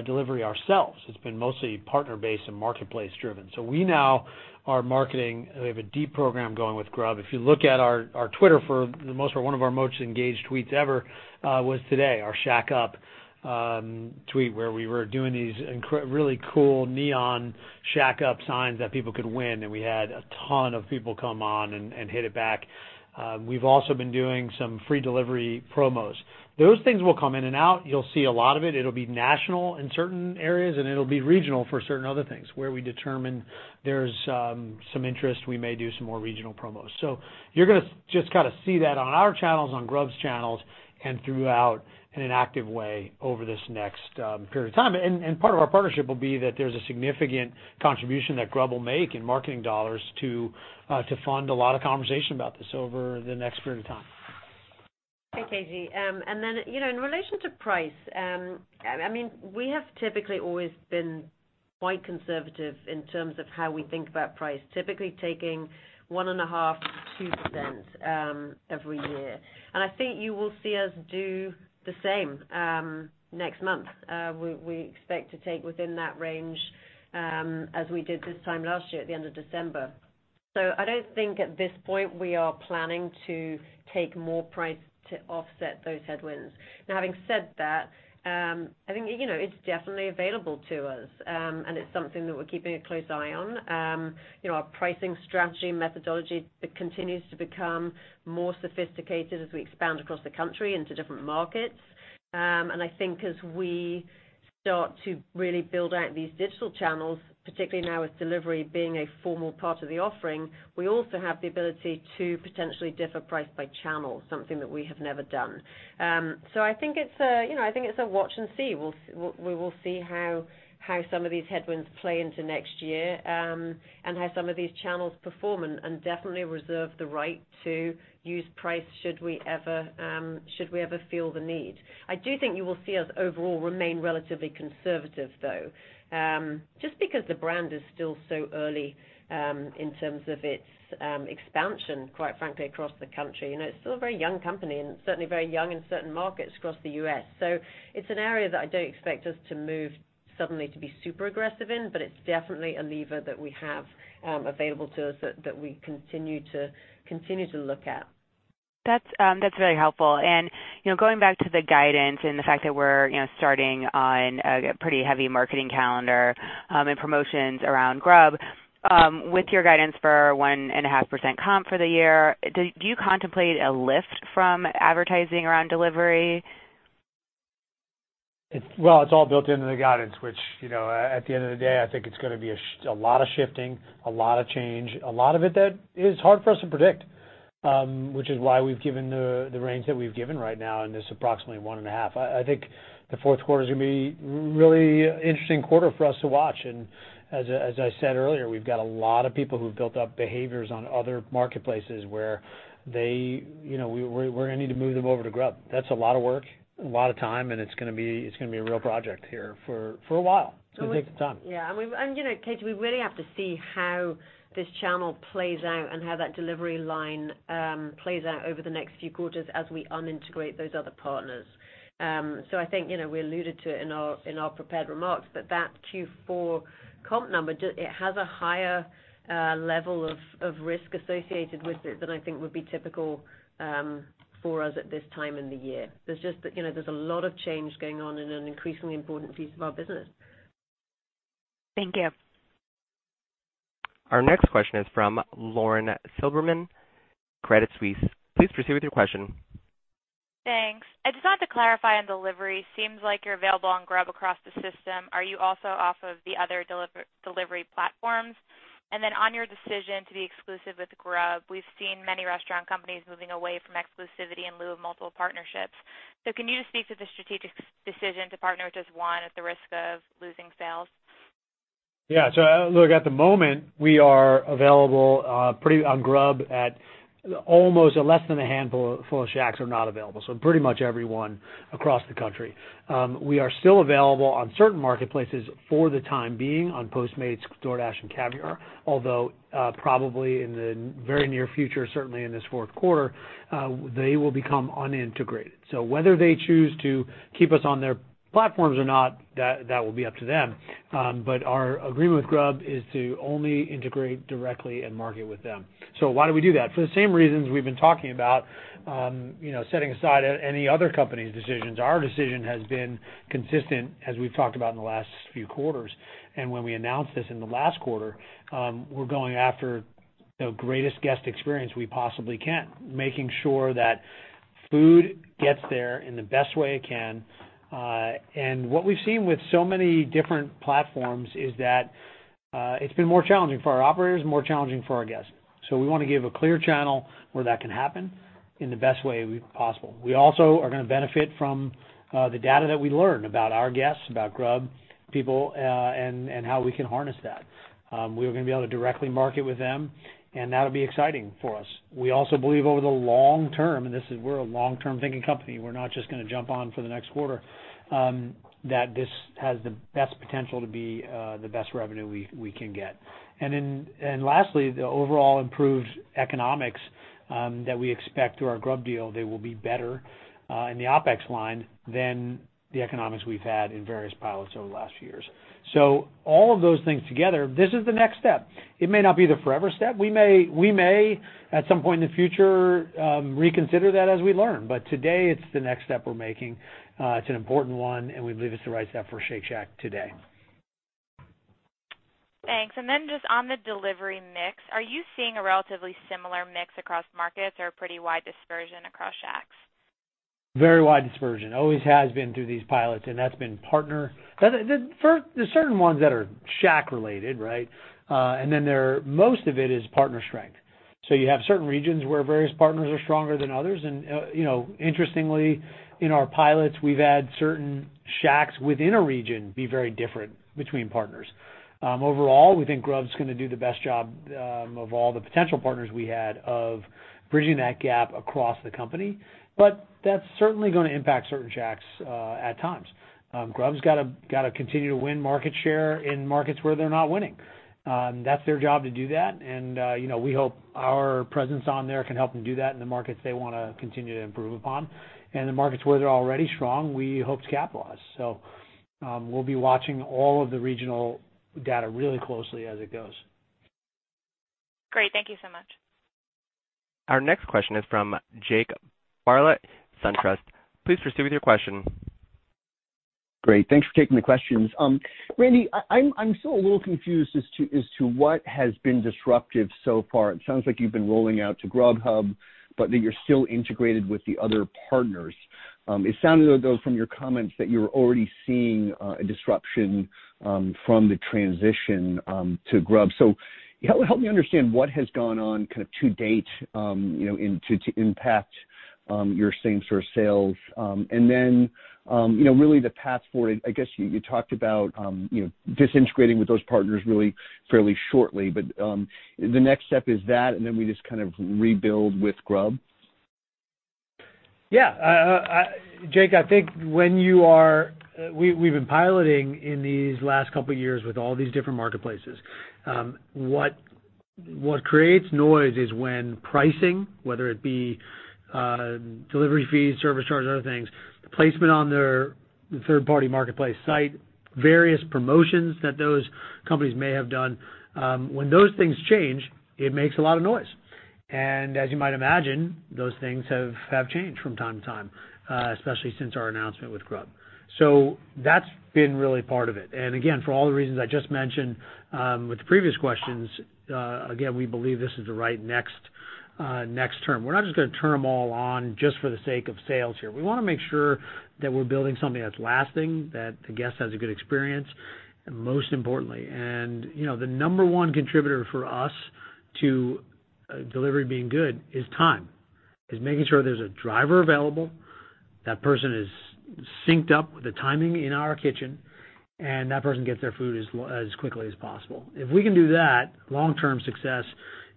delivery ourselves. It's been mostly partner-based and marketplace driven. We now are marketing, we have a deep program going with Grubhub. If you look at our Twitter, for the most part, one of our most engaged tweets ever was today, our Shack Up tweet, where we were doing these really cool neon Shack Up signs that people could win, and we had a ton of people come on and hit it back. We've also been doing some free delivery promos. Those things will come in and out. You'll see a lot of it. It'll be national in certain areas, and it'll be regional for certain other things. Where we determine there's some interest, we may do some more regional promos. You're going to just see that on our channels, on Grub's channels, and throughout in an active way over this next period of time. Part of our partnership will be that there's a significant contribution that Grub will make in marketing dollars to fund a lot of conversation about this over the next period of time. Okay, Katie. In relation to price, we have typically always been quite conservative in terms of how we think about price, typically taking 1.5%-2% every year. I think you will see us do the same next month. We expect to take within that range, as we did this time last year at the end of December. I don't think at this point we are planning to take more price to offset those headwinds. Having said that, I think it's definitely available to us, and it's something that we're keeping a close eye on. Our pricing strategy and methodology continues to become more sophisticated as we expand across the country into different markets. I think as we start to really build out these digital channels, particularly now with delivery being a formal part of the offering, we also have the ability to potentially differ price by channel, something that we have never done. I think it's a watch and see. We will see how some of these headwinds play into next year, and how some of these channels perform and definitely reserve the right to use price should we ever feel the need. I do think you will see us overall remain relatively conservative, though, just because the brand is still so early, in terms of its expansion, quite frankly, across the country. It's still a very young company and certainly very young in certain markets across the U.S. It's an area that I don't expect us to move suddenly to be super aggressive in, but it's definitely a lever that we have available to us that we continue to look at. That's very helpful. Going back to the guidance and the fact that we're starting on a pretty heavy marketing calendar, and promotions around Grub, with your guidance for 1.5% comp for the year, do you contemplate a lift from advertising around delivery? Well, it's all built into the guidance, which at the end of the day, I think it's going to be a lot of shifting, a lot of change, a lot of it that is hard for us to predict, which is why we've given the range that we've given right now, and it's approximately 1.5%. I think the fourth quarter is going to be really interesting quarter for us to watch, and as I said earlier, we've got a lot of people who've built up behaviors on other marketplaces where we're going to need to move them over to Grub. That's a lot of work, a lot of time, and it's going to be a real project here for a while. It's going to take some time. Yeah. Katie, we really have to see how this channel plays out and how that delivery line plays out over the next few quarters as we unintegrate those other partners. I think we alluded to it in our prepared remarks, but that Q4 comp number, it has a higher level of risk associated with it than I think would be typical for us at this time in the year. There's a lot of change going on in an increasingly important piece of our business. Thank you. Our next question is from Lauren Silberman, Credit Suisse. Please proceed with your question. Thanks. I just wanted to clarify on delivery. Seems like you're available on Grubhub across the system. Are you also off of the other delivery platforms? On your decision to be exclusive with Grubhub, we've seen many restaurant companies moving away from exclusivity in lieu of multiple partnerships. Can you just speak to the strategic decision to partner with just one at the risk of losing sales? Look, at the moment, we are available on Grubhub at almost less than a handful of Shacks are not available. Pretty much everyone across the country. We are still available on certain marketplaces for the time being on Postmates, DoorDash, and Caviar. Probably in the very near future, certainly in this fourth quarter, they will become unintegrated. Whether they choose to keep us on their platforms or not, that will be up to them. Our agreement with Grubhub is to only integrate directly and market with them. Why do we do that? For the same reasons we've been talking about, setting aside any other company's decisions, our decision has been consistent as we've talked about in the last few quarters. When we announced this in the last quarter, we're going after the greatest guest experience we possibly can, making sure that food gets there in the best way it can. What we've seen with so many different platforms is that it's been more challenging for our operators and more challenging for our guests. We want to give a clear channel where that can happen in the best way possible. We also are going to benefit from the data that we learn about our guests, about Grubhub people, and how we can harness that. We are going to be able to directly market with them, and that'll be exciting for us. We also believe over the long term, we're a long-term thinking company, we're not just going to jump on for the next quarter, that this has the best potential to be the best revenue we can get. Lastly, the overall improved economics that we expect through our Grubhub deal, they will be better in the OpEx line than the economics we've had in various pilots over the last few years. All of those things together, this is the next step. It may not be the forever step. We may, at some point in the future, reconsider that as we learn. Today, it's the next step we're making. It's an important one, and we believe it's the right step for Shake Shack today. Thanks. Just on the delivery mix, are you seeing a relatively similar mix across markets or a pretty wide dispersion across Shacks? Very wide dispersion. Always has been through these pilots, and that's been partner. There's certain ones that are Shack related, right? Most of it is partner strength. You have certain regions where various partners are stronger than others, and interestingly, in our pilots, we've had certain Shacks within a region be very different between partners. Overall, we think Grubhub's going to do the best job of all the potential partners we had of bridging that gap across the company. That's certainly going to impact certain Shacks at times. Grubhub's got to continue to win market share in markets where they're not winning. That's their job to do that, and we hope our presence on there can help them do that in the markets they want to continue to improve upon. The markets where they're already strong, we hope to capitalize. We'll be watching all of the regional data really closely as it goes. Great. Thank you so much. Our next question is from Jake Bartlett, SunTrust. Please proceed with your question. Great. Thanks for taking the questions. Randy, I'm still a little confused as to what has been disruptive so far. It sounds like you've been rolling out to Grubhub, you're still integrated with the other partners. It sounded, though, from your comments that you're already seeing a disruption from the transition to Grubhub. Help me understand what has gone on to date to impact your Same-Shack sales. Really the path forward, I guess you talked about disintegrating with those partners really fairly shortly, the next step is that, we just kind of rebuild with Grubhub? Yeah. Jake, I think we've been piloting in these last couple of years with all these different marketplaces. What creates noise is when pricing, whether it be delivery fees, service charges, other things, placement on their third-party marketplace site, various promotions that those companies may have done. When those things change, it makes a lot of noise. As you might imagine, those things have changed from time to time, especially since our announcement with Grubhub. That's been really part of it. Again, for all the reasons I just mentioned with the previous questions, again, we believe this is the right next term. We're not just going to turn them all on just for the sake of sales here. We want to make sure that we're building something that's lasting, that the guest has a good experience. The number 1 contributor for us to delivery being good is time, is making sure there's a driver available, that person is synced up with the timing in our kitchen, and that person gets their food as quickly as possible. If we can do that, long-term success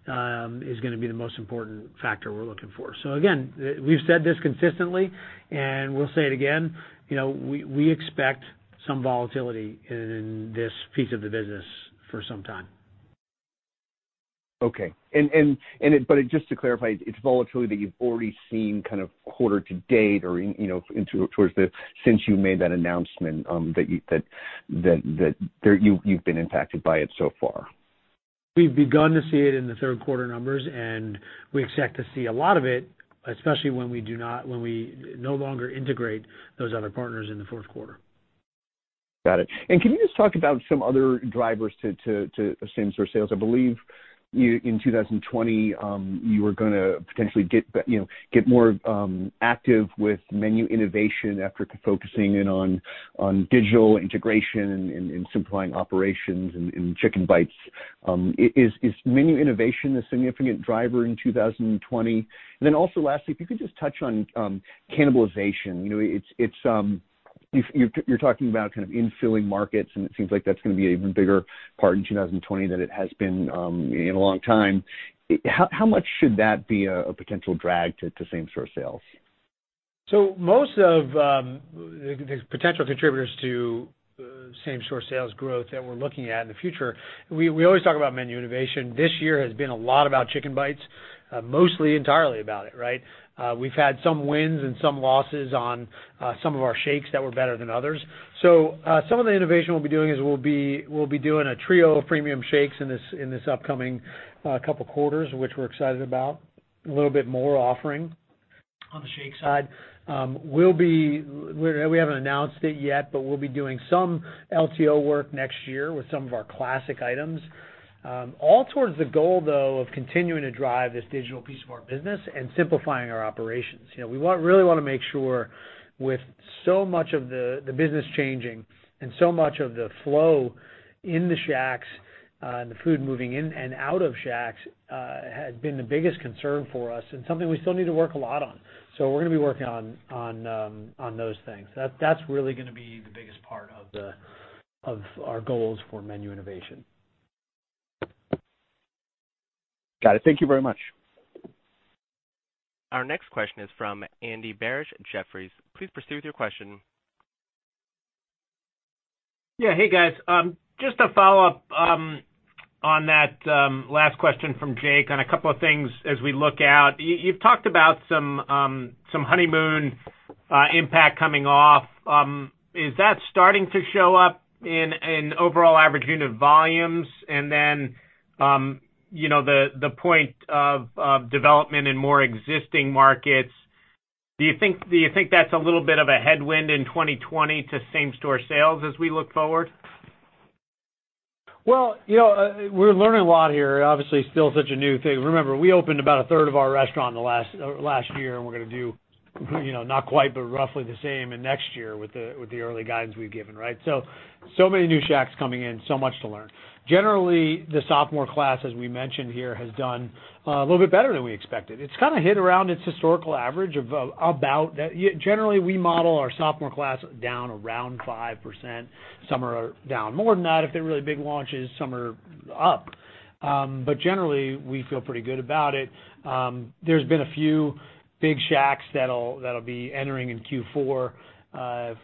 is going to be the most important factor we're looking for. Again, we've said this consistently, and we'll say it again. We expect some volatility in this piece of the business for some time. Just to clarify, it's volatility that you've already seen kind of quarter to date or since you made that announcement, that you've been impacted by it so far? We've begun to see it in the third quarter numbers, and we expect to see a lot of it, especially when we no longer integrate those other partners in the fourth quarter. Got it. Can you just talk about some other drivers to Same-Shack sales? I believe in 2020, you were going to potentially get more active with menu innovation after focusing in on digital integration and simplifying operations and Chicken Bites. Is menu innovation a significant driver in 2020? Lastly, if you could just touch on cannibalization. You're talking about kind of infilling markets, and it seems like that's going to be an even bigger part in 2020 than it has been in a long time. How much should that be a potential drag to Same-Shack sales? Most of the potential contributors to same-store sales growth that we're looking at in the future, we always talk about menu innovation. This year has been a lot about Chicken Bites. Mostly entirely about it, right? We've had some wins and some losses on some of our shakes that were better than others. Some of the innovation we'll be doing is we'll be doing a trio of premium shakes in this upcoming couple of quarters, which we're excited about, a little bit more offering on the shake side. We haven't announced it yet, we'll be doing some LTO work next year with some of our classic items. All towards the goal, though, of continuing to drive this digital piece of our business and simplifying our operations. We really want to make sure with so much of the business changing and so much of the flow in the Shacks, and the food moving in and out of Shacks, has been the biggest concern for us and something we still need to work a lot on. We're going to be working on those things. That's really going to be the biggest part of our goals for menu innovation. Got it. Thank you very much. Our next question is from Andy Barish at Jefferies. Please proceed with your question. Yeah. Hey, guys. Just a follow-up on that last question from Jake on a couple of things as we look out. You've talked about some honeymoon impact coming off. Is that starting to show up in overall average unit volumes? The point of development in more existing markets, do you think that's a little bit of a headwind in 2020 to Same-Shack sales as we look forward? Well, we're learning a lot here. Still such a new thing. Remember, we opened about a third of our restaurant last year, and we're going to do not quite, but roughly the same in next year with the early guidance we've given, right? So many new Shacks coming in, so much to learn. Generally, the sophomore class, as we mentioned here, has done a little bit better than we expected. It's kind of hit around its historical average. Generally, we model our sophomore class down around 5%. Some are down more than that if they're really big launches, some are up. Generally, we feel pretty good about it. There's been a few big Shacks that'll be entering in Q4,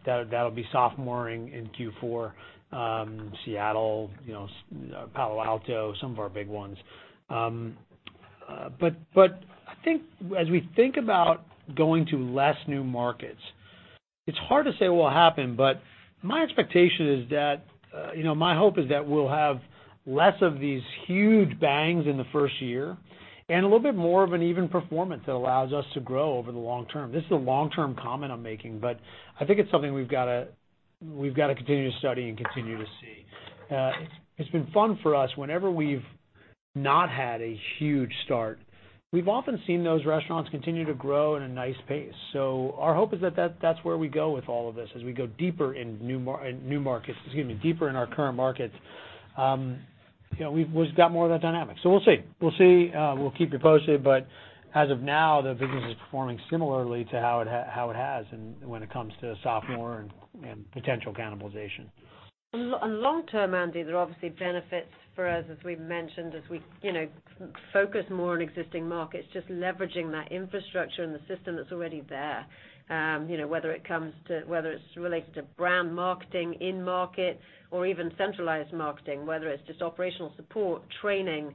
that'll be sophomore-ing in Q4. Seattle, Palo Alto, some of our big ones. I think as we think about going to less new markets, it's hard to say what will happen, but my hope is that we'll have less of these huge bangs in the first year and a little bit more of an even performance that allows us to grow over the long term. This is a long-term comment I'm making, but I think it's something we've got to continue to study and continue to see. It's been fun for us. Whenever we've not had a huge start, we've often seen those restaurants continue to grow at a nice pace. Our hope is that that's where we go with all of this as we go deeper in our current markets. We've got more of that dynamic. We'll see. We'll keep you posted. As of now, the business is performing similarly to how it has when it comes to sophomore and potential cannibalization. Long term, Andy, there are obviously benefits for us, as we've mentioned, as we focus more on existing markets, just leveraging that infrastructure and the system that's already there. Whether it's related to brand marketing in-market or even centralized marketing, whether it's just operational support, training,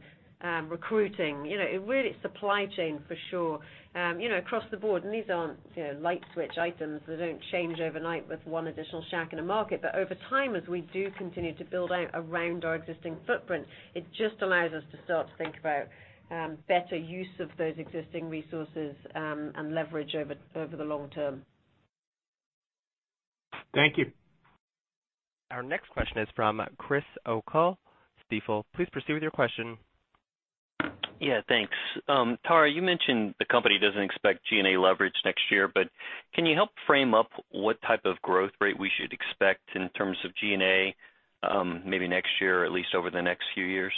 recruiting, really supply chain for sure, across the board. These aren't light switch items. They don't change overnight with one additional Shack in a market. Over time, as we do continue to build out around our existing footprint, it just allows us to start to think about better use of those existing resources and leverage over the long term. Thank you. Our next question is from Chris O'Cull, Stifel. Please proceed with your question. Yeah. Thanks. Tara, you mentioned the company doesn't expect G&A leverage next year, can you help frame up what type of growth rate we should expect in terms of G&A maybe next year, or at least over the next few years?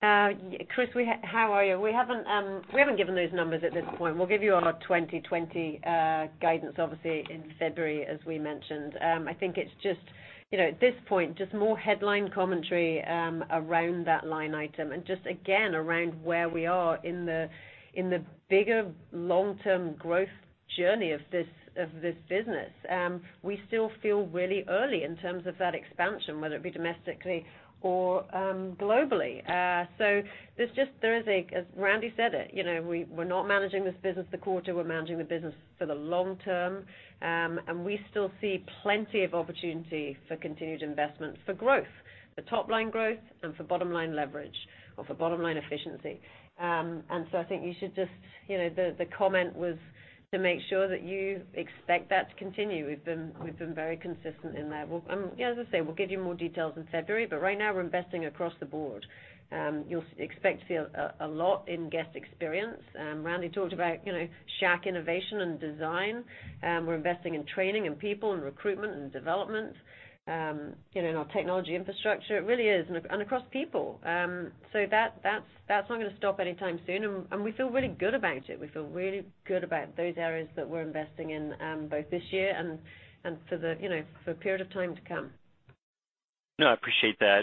Chris, how are you? We haven't given those numbers at this point. We'll give you our 2020 guidance, obviously, in February, as we mentioned. I think it's just, at this point, just more headline commentary around that line item and just again, around where we are in the bigger long-term growth journey of this business. We still feel really early in terms of that expansion, whether it be domestically or globally. As Randy said it, we're not managing this business the quarter, we're managing the business for the long term. We still see plenty of opportunity for continued investment for growth, for top-line growth and for bottom-line leverage or for bottom-line efficiency. I think the comment was. Make sure that you expect that to continue. We've been very consistent in that. As I say, we'll give you more details in February, but right now we're investing across the board. You'll expect to see a lot in guest experience. Randy talked about Shack innovation and design. We're investing in training and people and recruitment and development, in our technology infrastructure. It really is, and across people. That's not going to stop anytime soon, and we feel really good about it. We feel really good about those areas that we're investing in, both this year and for a period of time to come. No, I appreciate that.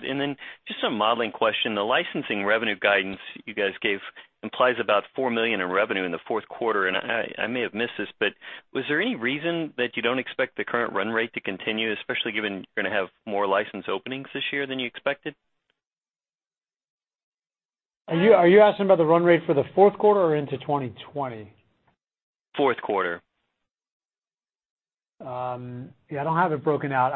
Just a modeling question. The licensing revenue guidance you guys gave implies about $4 million in revenue in the fourth quarter. I may have missed this, but was there any reason that you don't expect the current run rate to continue, especially given you're going to have more license openings this year than you expected? Are you asking about the run rate for the fourth quarter or into 2020? Fourth quarter. Yeah, I don't have it broken out.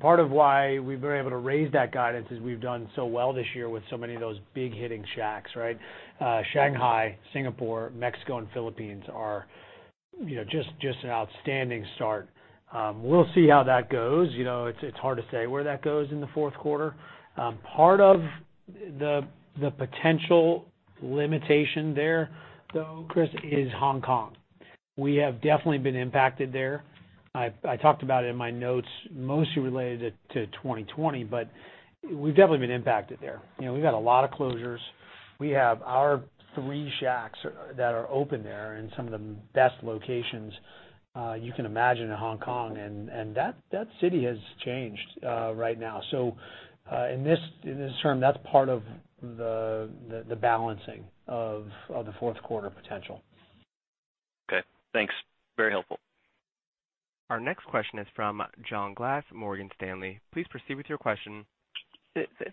Part of why we've been able to raise that guidance is we've done so well this year with so many of those big-hitting Shacks, right? Shanghai, Singapore, Mexico, and Philippines are just an outstanding start. We'll see how that goes. It's hard to say where that goes in the fourth quarter. Part of the potential limitation there, though, Chris O'Cull, is Hong Kong. We have definitely been impacted there. I talked about it in my notes, mostly related to 2020, but we've definitely been impacted there. We've had a lot of closures. We have our 3 Shacks that are open there in some of the best locations you can imagine in Hong Kong, and that city has changed right now. In this term, that's part of the balancing of the fourth quarter potential. Okay, thanks. Very helpful. Our next question is from John Glass, Morgan Stanley. Please proceed with your question.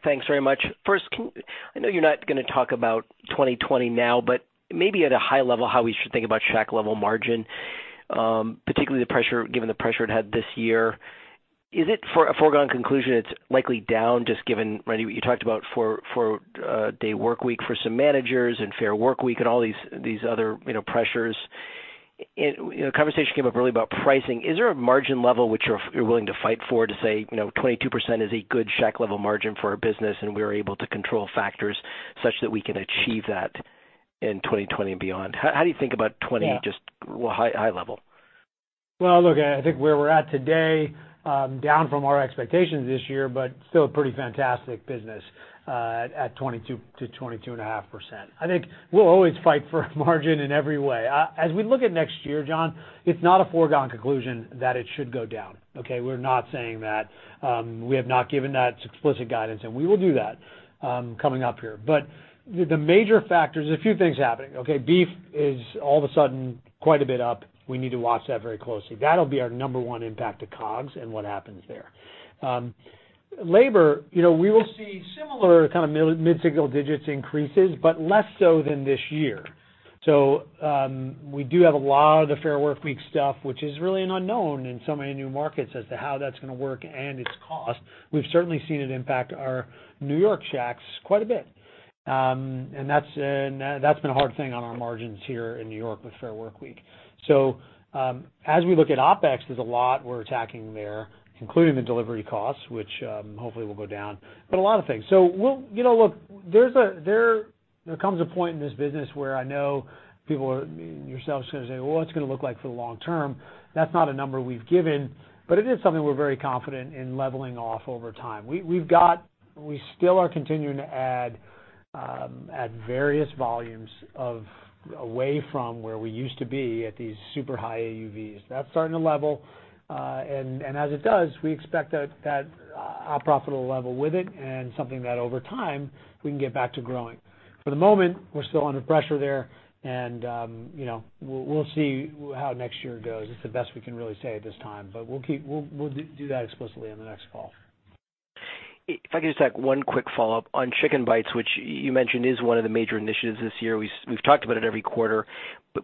Thanks very much. First, I know you're not going to talk about 2020 now, but maybe at a high level, how we should think about Shack-level margin, particularly given the pressure it had this year. Is it a foregone conclusion it's likely down, just given what you talked about four-day workweek for some managers and Fair Workweek and all these other pressures? A conversation came up earlier about pricing. Is there a margin level which you're willing to fight for to say 22% is a good Shack-level margin for our business, and we are able to control factors such that we can achieve that in 2020 and beyond? How do you think about 2020, just high level? Look, I think where we're at today, down from our expectations this year, but still a pretty fantastic business at 22%-22.5%. I think we'll always fight for margin in every way. As we look at next year, John, it's not a foregone conclusion that it should go down, okay? We're not saying that. We have not given that explicit guidance, and we will do that coming up here. The major factors, there's a few things happening, okay? Beef is all of a sudden quite a bit up. We need to watch that very closely. That'll be our number one impact to COGS and what happens there. Labor, we will see similar mid-single digits increases, but less so than this year. We do have a lot of the Fair Workweek stuff, which is really an unknown in so many new markets as to how that's going to work and its cost. We've certainly seen it impact our N.Y. Shacks quite a bit. That's been a hard thing on our margins here in N.Y. with Fair Workweek. As we look at OpEx, there's a lot we're attacking there, including the delivery costs, which hopefully will go down, but a lot of things. Look, there comes a point in this business where I know people, yourselves going to say, "Well, what's it going to look like for the long term?" That's not a number we've given, but it is something we're very confident in leveling off over time. We still are continuing to add at various volumes of away from where we used to be at these super high AUVs. That's starting to level. As it does, we expect that our profit will level with it and something that over time we can get back to growing. For the moment, we're still under pressure there and we'll see how next year goes. It's the best we can really say at this time, but we'll do that explicitly on the next call. If I could just have one quick follow-up on Chicken Bites, which you mentioned is one of the major initiatives this year. We've talked about it every quarter,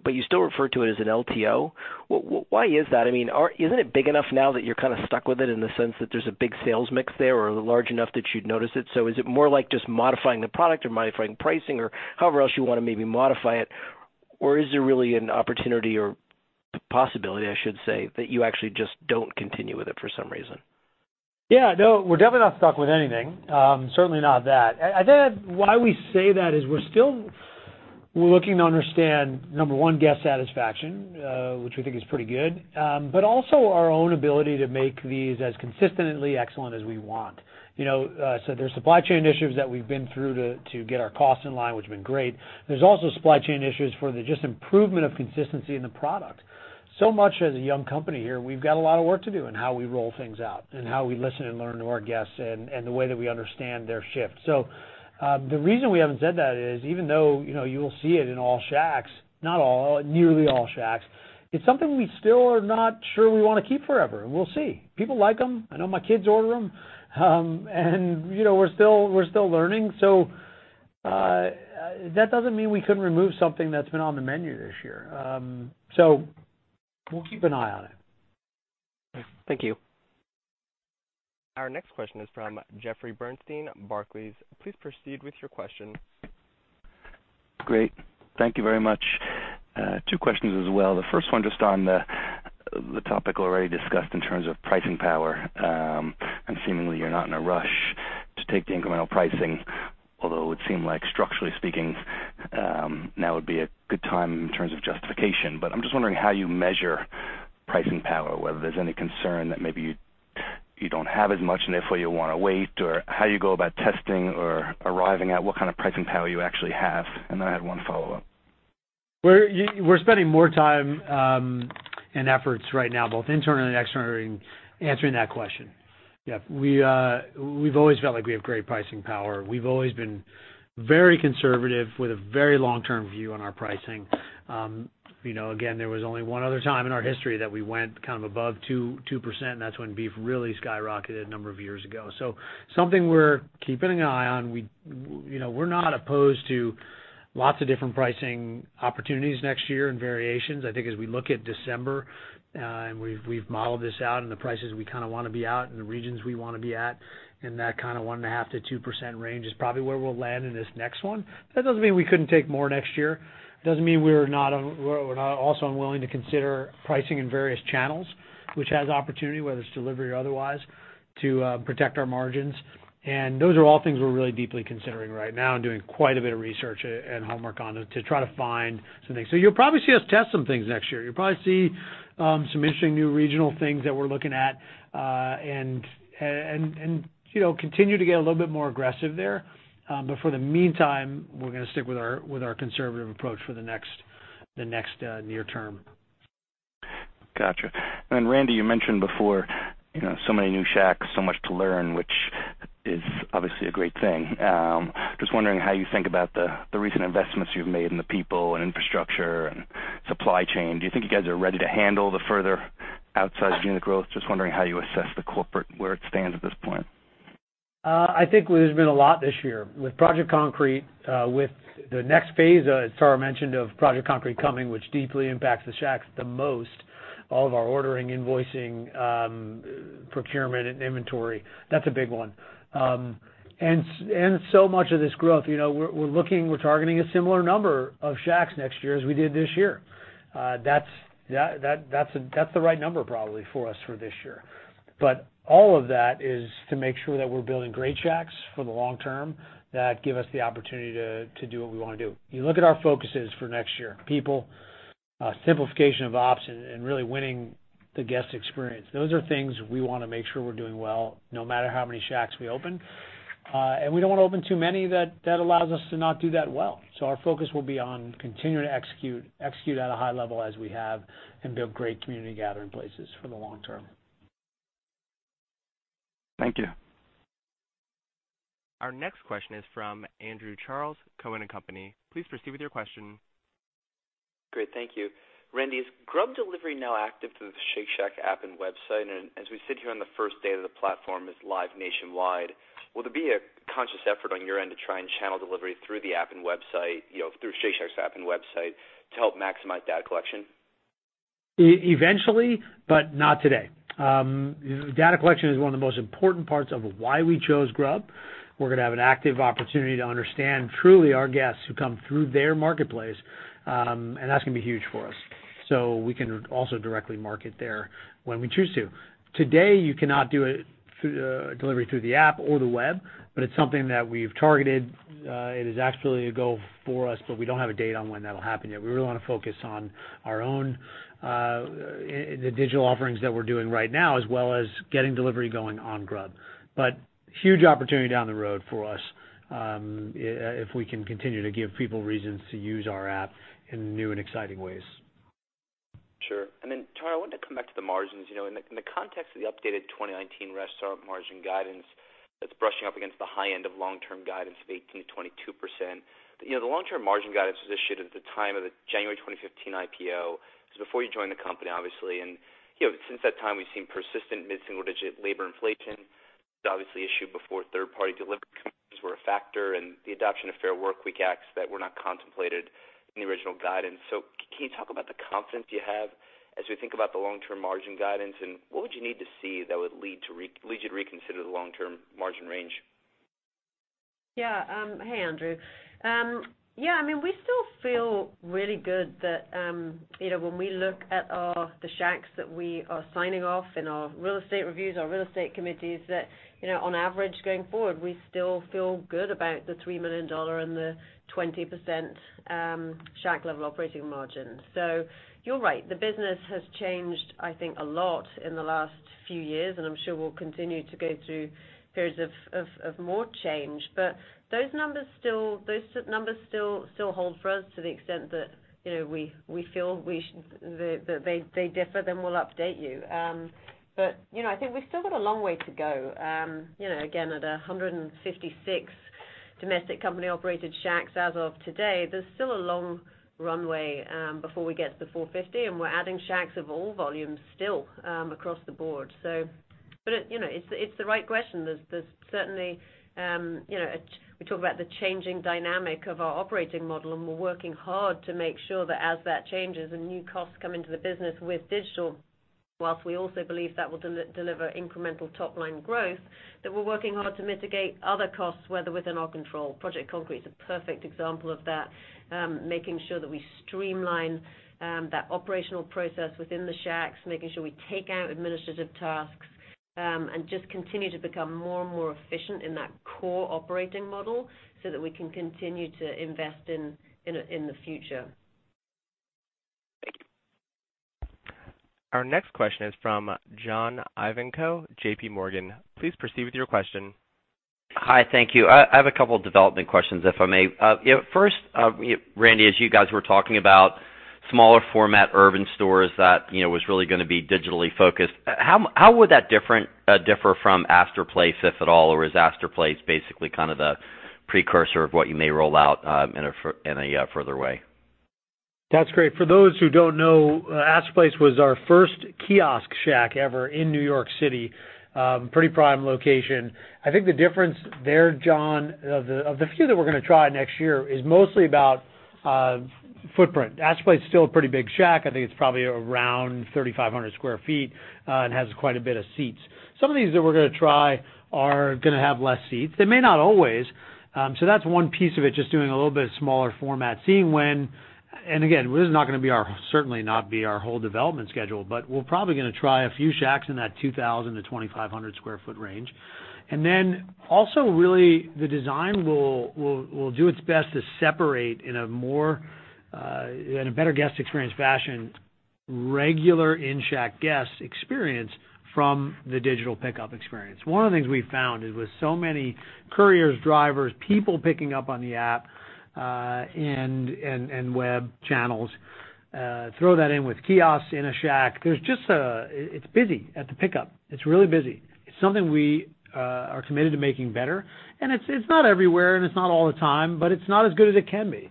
but you still refer to it as an LTO. Why is that? Isn't it big enough now that you're kind of stuck with it in the sense that there's a big sales mix there or large enough that you'd notice it? Is it more like just modifying the product or modifying pricing or however else you want to maybe modify it, or is there really an opportunity or possibility, I should say, that you actually just don't continue with it for some reason? Yeah, no, we're definitely not stuck with anything. Certainly not that. I think that why we say that is we're still looking to understand, number one, guest satisfaction, which we think is pretty good, but also our own ability to make these as consistently excellent as we want. There's supply chain issues that we've been through to get our costs in line, which has been great. There's also supply chain issues for just the improvement of consistency in the product. Much as a young company here, we've got a lot of work to do in how we roll things out and how we listen and learn to our guests and the way that we understand their shift. The reason we haven't said that is even though you will see it in all Shacks, not all, nearly all Shacks, it's something we still are not sure we want to keep forever. We'll see. People like them. I know my kids order them. We're still learning. That doesn't mean we couldn't remove something that's been on the menu this year. We'll keep an eye on it. Thank you. Our next question is from Jeffrey Bernstein, Barclays. Please proceed with your question. Great. Thank you very much. Two questions as well. The first one just on the topic already discussed in terms of pricing power. Seemingly you're not in a rush to take the incremental pricing, although it would seem like structurally speaking, now would be a good time in terms of justification. I'm just wondering how you measure pricing power, whether there's any concern that maybe you don't have as much, and therefore you want to wait, or how you go about testing or arriving at what kind of pricing power you actually have. Then I have one follow-up. We're spending more time and efforts right now, both internally and externally, answering that question. Yep. We've always felt like we have great pricing power. We've always been very conservative with a very long-term view on our pricing. Again, there was only one other time in our history that we went above 2%, and that's when beef really skyrocketed a number of years ago. Something we're keeping an eye on. We're not opposed to lots of different pricing opportunities next year and variations. I think as we look at December, and we've modeled this out and the prices we want to be at and the regions we want to be at, and that 1.5%-2% range is probably where we'll land in this next one. That doesn't mean we couldn't take more next year. It doesn't mean we're also unwilling to consider pricing in various channels, which has opportunity, whether it's delivery or otherwise, to protect our margins. Those are all things we're really deeply considering right now and doing quite a bit of research and homework on to try to find some things. You'll probably see us test some things next year. You'll probably see some interesting new regional things that we're looking at, and continue to get a little bit more aggressive there. For the meantime, we're going to stick with our conservative approach for the next near term. Got you. Randy, you mentioned before, so many new Shacks, so much to learn, which is obviously a great thing. Just wondering how you think about the recent investments you've made in the people and infrastructure and supply chain? Do you think you guys are ready to handle the further outsized unit growth? Just wondering how you assess the corporate, where it stands at this point? I think there's been a lot this year. With Project Concrete, with the next phase, as Tara mentioned, of Project Concrete coming, which deeply impacts the Shacks the most, all of our ordering, invoicing, procurement, and inventory. That's a big one. Much of this growth, we're targeting a similar number of Shacks next year as we did this year. That's the right number probably for us for this year. All of that is to make sure that we're building great Shacks for the long term that give us the opportunity to do what we want to do. You look at our focuses for next year, people, simplification of ops, and really winning the guest experience. Those are things we want to make sure we're doing well, no matter how many Shacks we open. We don't want to open too many that allows us to not do that well. Our focus will be on continuing to execute at a high level as we have and build great community gathering places for the long term. Thank you. Our next question is from Andrew Charles, Cowen and Company. Please proceed with your question. Great. Thank you. Randy, is Grubhub delivery now active through the Shake Shack app and website? As we sit here on the first day that the platform is live nationwide, will there be a conscious effort on your end to try and channel delivery through the app and website, through Shake Shack's app and website, to help maximize data collection? Eventually, but not today. Data collection is one of the most important parts of why we chose Grub. We're going to have an active opportunity to understand truly our guests who come through their marketplace, and that's going to be huge for us. We can also directly market there when we choose to. Today, you cannot do a delivery through the app or the web, but it's something that we've targeted. It is absolutely a goal for us, but we don't have a date on when that'll happen yet. We really want to focus on our own digital offerings that we're doing right now, as well as getting delivery going on Grub. Huge opportunity down the road for us if we can continue to give people reasons to use our app in new and exciting ways. Sure. Tara, I wanted to come back to the margins. In the context of the updated 2019 restaurant margin guidance that's brushing up against the high end of long-term guidance of 18%-22%. The long-term margin guidance was issued at the time of the January 2015 IPO. Before you joined the company, obviously, and since that time, we've seen persistent mid-single-digit labor inflation. It was obviously issued before third-party delivery companies were a factor and the adoption of Fair Workweek Acts that were not contemplated in the original guidance. Can you talk about the confidence you have as we think about the long-term margin guidance, and what would you need to see that would lead you to reconsider the long-term margin range? Hey, Andrew. We still feel really good that when we look at the Shacks that we are signing off in our real estate reviews, our real estate committees, that on average, going forward, we still feel good about the $3 million and the 20% Shack-level operating profit. You're right, the business has changed, I think, a lot in the last few years, and I'm sure we'll continue to go through periods of more change. Those numbers still hold for us to the extent that we feel that they differ, we'll update you. I think we've still got a long way to go. Again, at 156 domestic company-operated Shacks as of today, there's still a long runway before we get to 450, and we're adding Shacks of all volumes still across the board. It's the right question. There's certainly, we talk about the changing dynamic of our operating model. We're working hard to make sure that as that changes and new costs come into the business with digital, whilst we also believe that will deliver incremental top-line growth, that we're working hard to mitigate other costs, whether within our control. Project Concrete is a perfect example of that, making sure that we streamline that operational process within the Shacks, making sure we take out administrative tasks, and just continue to become more and more efficient in that core operating model so that we can continue to invest in the future. Our next question is from John Ivankoe, JP Morgan. Please proceed with your question. Hi, thank you. I have a couple of development questions, if I may. First, Randy, as you guys were talking about smaller format urban stores that was really going to be digitally focused, how would that differ from Astor Place, if at all, or is Astor Place basically the precursor of what you may roll out in a further way? That's great. For those who don't know, Astor Place was our first kiosk Shack ever in New York City. Pretty prime location. I think the difference there, John, of the few that we're going to try next year, is mostly about footprint. Astor Place is still a pretty big Shack. I think it's probably around 3,500 sq ft, and has quite a bit of seats. Some of these that we're going to try are going to have less seats. They may not always. That's one piece of it, just doing a little bit of smaller format, seeing when, and again, this is certainly not going to be our whole development schedule, but we're probably going to try a few Shacks in that 2,000-2,500 sq ft range. Also really the design will do its best to separate in a better guest experience fashion, regular in-Shack guest experience from the digital pickup experience. One of the things we've found is with so many couriers, drivers, people picking up on the app and web channels, throw that in with kiosks in a Shack, it's busy at the pickup. It's really busy. It's something we are committed to making better, and it's not everywhere and it's not all the time, but it's not as good as it can be.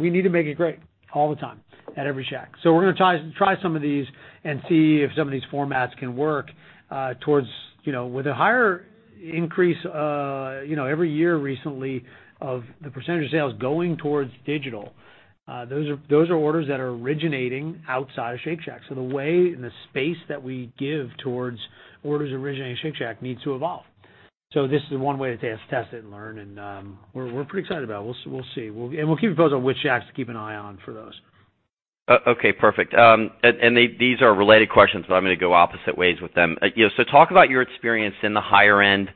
We need to make it great all the time at every Shack. We're going to try some of these and see if some of these formats can work. With a higher increase every year recently of the percentage of sales going towards digital, those are orders that are originating outside of Shake Shack. The way and the space that we give towards orders originating at Shake Shack needs to evolve. This is one way to test it and learn and we're pretty excited about it. We'll see. We'll keep you posted on which Shacks to keep an eye on for those. Okay, perfect. These are related questions, but I'm going to go opposite ways with them. Talk about your experience in the higher end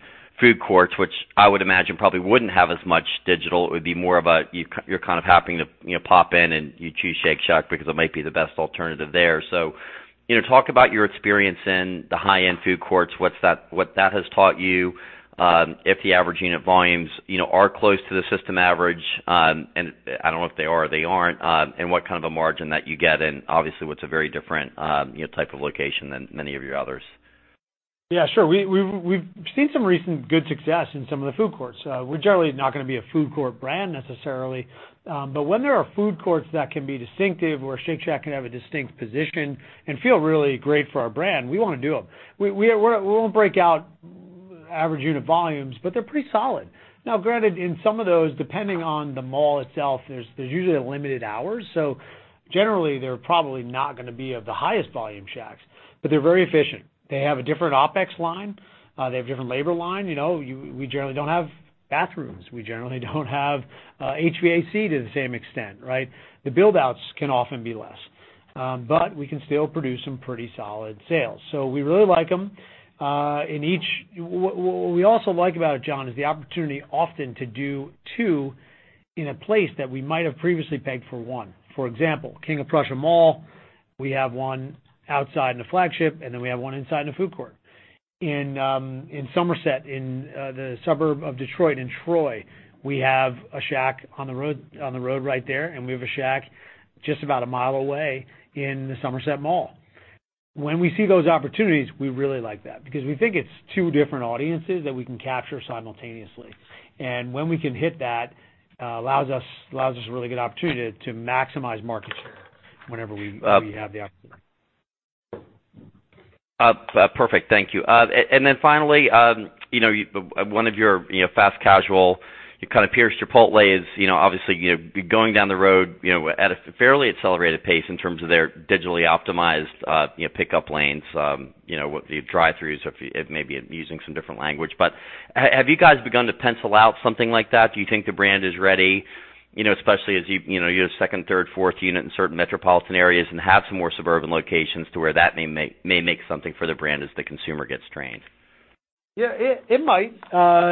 food courts, which I would imagine probably wouldn't have as much digital. It would be more of a, you're kind of happening to pop in and you choose Shake Shack because it might be the best alternative there. Talk about your experience in the high-end food courts. What that has taught you, if the average unit volumes are close to the system average, and I don't know if they are or they aren't, and what kind of a margin that you get in obviously what's a very different type of location than many of your others. Yeah, sure. We've seen some recent good success in some of the food courts. We're generally not going to be a food court brand necessarily. When there are food courts that can be distinctive or Shake Shack can have a distinct position and feel really great for our brand, we want to do them. We won't break out average unit volumes, but they're pretty solid. Now granted, in some of those, depending on the mall itself, there's usually limited hours. Generally they're probably not going to be of the highest volume Shacks, but they're very efficient. They have a different OpEx line. They have different labor line. We generally don't have bathrooms. We generally don't have HVAC to the same extent, right? The build-outs can often be less. We can still produce some pretty solid sales. We really like them. What we also like about it, John, is the opportunity often to do two in a place that we might have previously begged for one. For example, King of Prussia Mall, we have one outside in the flagship, and then we have one inside in the food court. In Somerset, in the suburb of Detroit, in Troy, we have a Shack on the road right there, and we have a Shack just about a mile away in the Somerset Mall. When we see those opportunities, we really like that because we think it's two different audiences that we can capture simultaneously. When we can hit that, allows us a really good opportunity to maximize market share whenever we have the opportunity. Perfect. Thank you. Finally, one of your fast casual, your kind of peers, Chipotle, is obviously going down the road at a fairly accelerated pace in terms of their digitally optimized pickup lanes, with the drive-throughs or maybe using some different language. Have you guys begun to pencil out something like that? Do you think the brand is ready? Especially as you have second, third, fourth unit in certain metropolitan areas and have some more suburban locations to where that may make something for the brand as the consumer gets trained. Yeah, it might.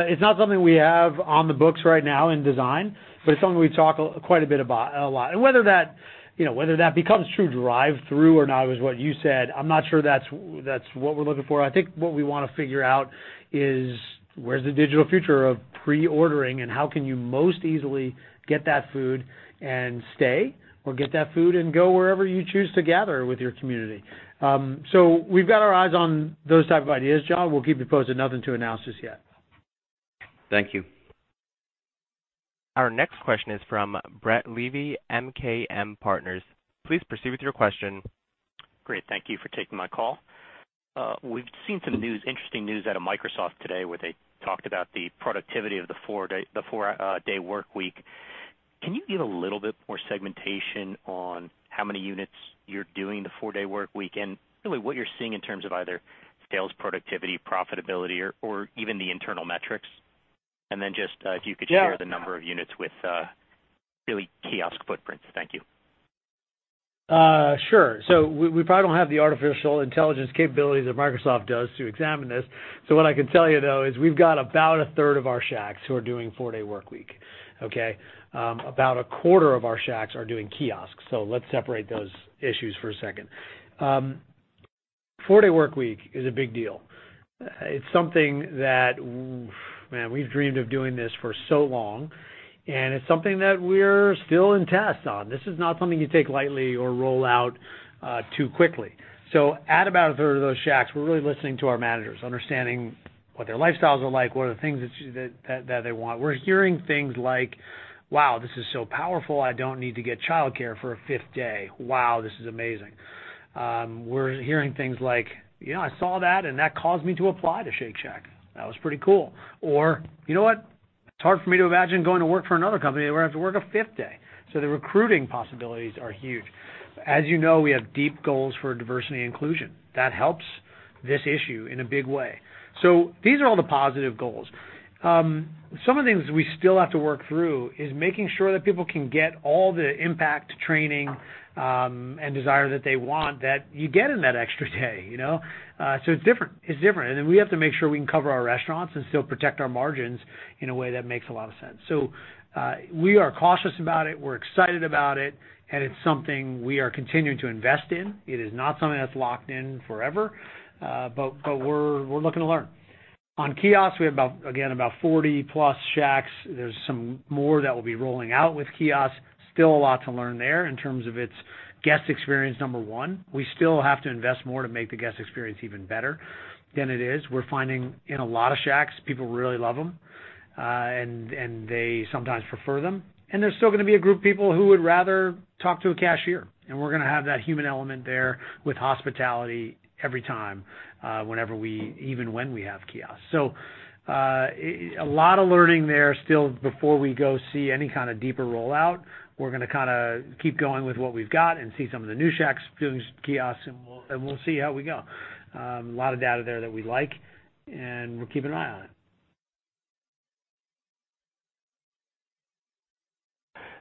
It's not something we have on the books right now in design, but it's something we talk quite a lot about. Whether that becomes true drive-through or not is what you said, I'm not sure that's what we're looking for. I think what we want to figure out is where's the digital future of pre-ordering and how can you most easily get that food and stay, or get that food and go wherever you choose to gather with your community. We've got our eyes on those type of ideas, John. We'll keep you posted. Nothing to announce just yet. Thank you. Our next question is from Brett Levy, MKM Partners. Please proceed with your question. Great. Thank you for taking my call. We've seen some interesting news out of Microsoft today where they talked about the productivity of the four-day workweek. Can you give a little bit more segmentation on how many units you're doing the four-day workweek, and really what you're seeing in terms of either sales, productivity, profitability or even the internal metrics? Just if you could share the number of units with really kiosk footprints. Thank you. Sure. We probably don't have the artificial intelligence capabilities that Microsoft does to examine this. What I can tell you, though, is we've got about a third of our Shacks who are doing four-day workweek. Okay? About a quarter of our Shacks are doing kiosks. Let's separate those issues for a second. Four-day workweek is a big deal. It's something that, man, we've dreamed of doing this for so long, and it's something that we're still in test on. This is not something you take lightly or roll out too quickly. At about a third of those Shacks, we're really listening to our managers, understanding what their lifestyles are like, what are the things that they want. We're hearing things like, "Wow, this is so powerful. I don't need to get childcare for a fifth day. Wow, this is amazing." We're hearing things like, "Yeah, I saw that, and that caused me to apply to Shake Shack. That was pretty cool." Or, "You know what? It's hard for me to imagine going to work for another company where I have to work a fifth day." The recruiting possibilities are huge. As you know, we have deep goals for diversity and inclusion. That helps this issue in a big way. These are all the positive goals. Some of the things we still have to work through is making sure that people can get all the impact training and desire that they want that you get in that extra day. It's different. It's different. We have to make sure we can cover our restaurants and still protect our margins in a way that makes a lot of sense. We are cautious about it, we're excited about it, and it's something we are continuing to invest in. It is not something that's locked in forever. We're looking to learn. On kiosks, we have, again, about 40-plus Shacks. There's some more that will be rolling out with kiosks. Still a lot to learn there in terms of its guest experience, number one. We still have to invest more to make the guest experience even better than it is. We're finding in a lot of Shacks, people really love them, and they sometimes prefer them. There's still going to be a group of people who would rather talk to a cashier, and we're going to have that human element there with hospitality every time, even when we have kiosks. A lot of learning there still before we go see any kind of deeper rollout. We're going to keep going with what we've got and see some of the new Shacks doing kiosks, and we'll see how we go. A lot of data there that we like, and we'll keep an eye on it.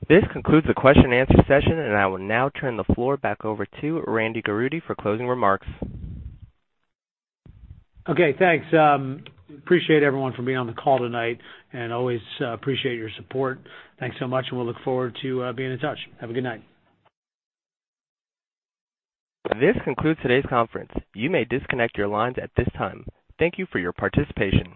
This concludes the question and answer session, and I will now turn the floor back over to Randy Garutti for closing remarks. Okay, thanks. Appreciate everyone for being on the call tonight, and always appreciate your support. Thanks so much, and we'll look forward to being in touch. Have a good night. This concludes today's conference. You may disconnect your lines at this time. Thank you for your participation.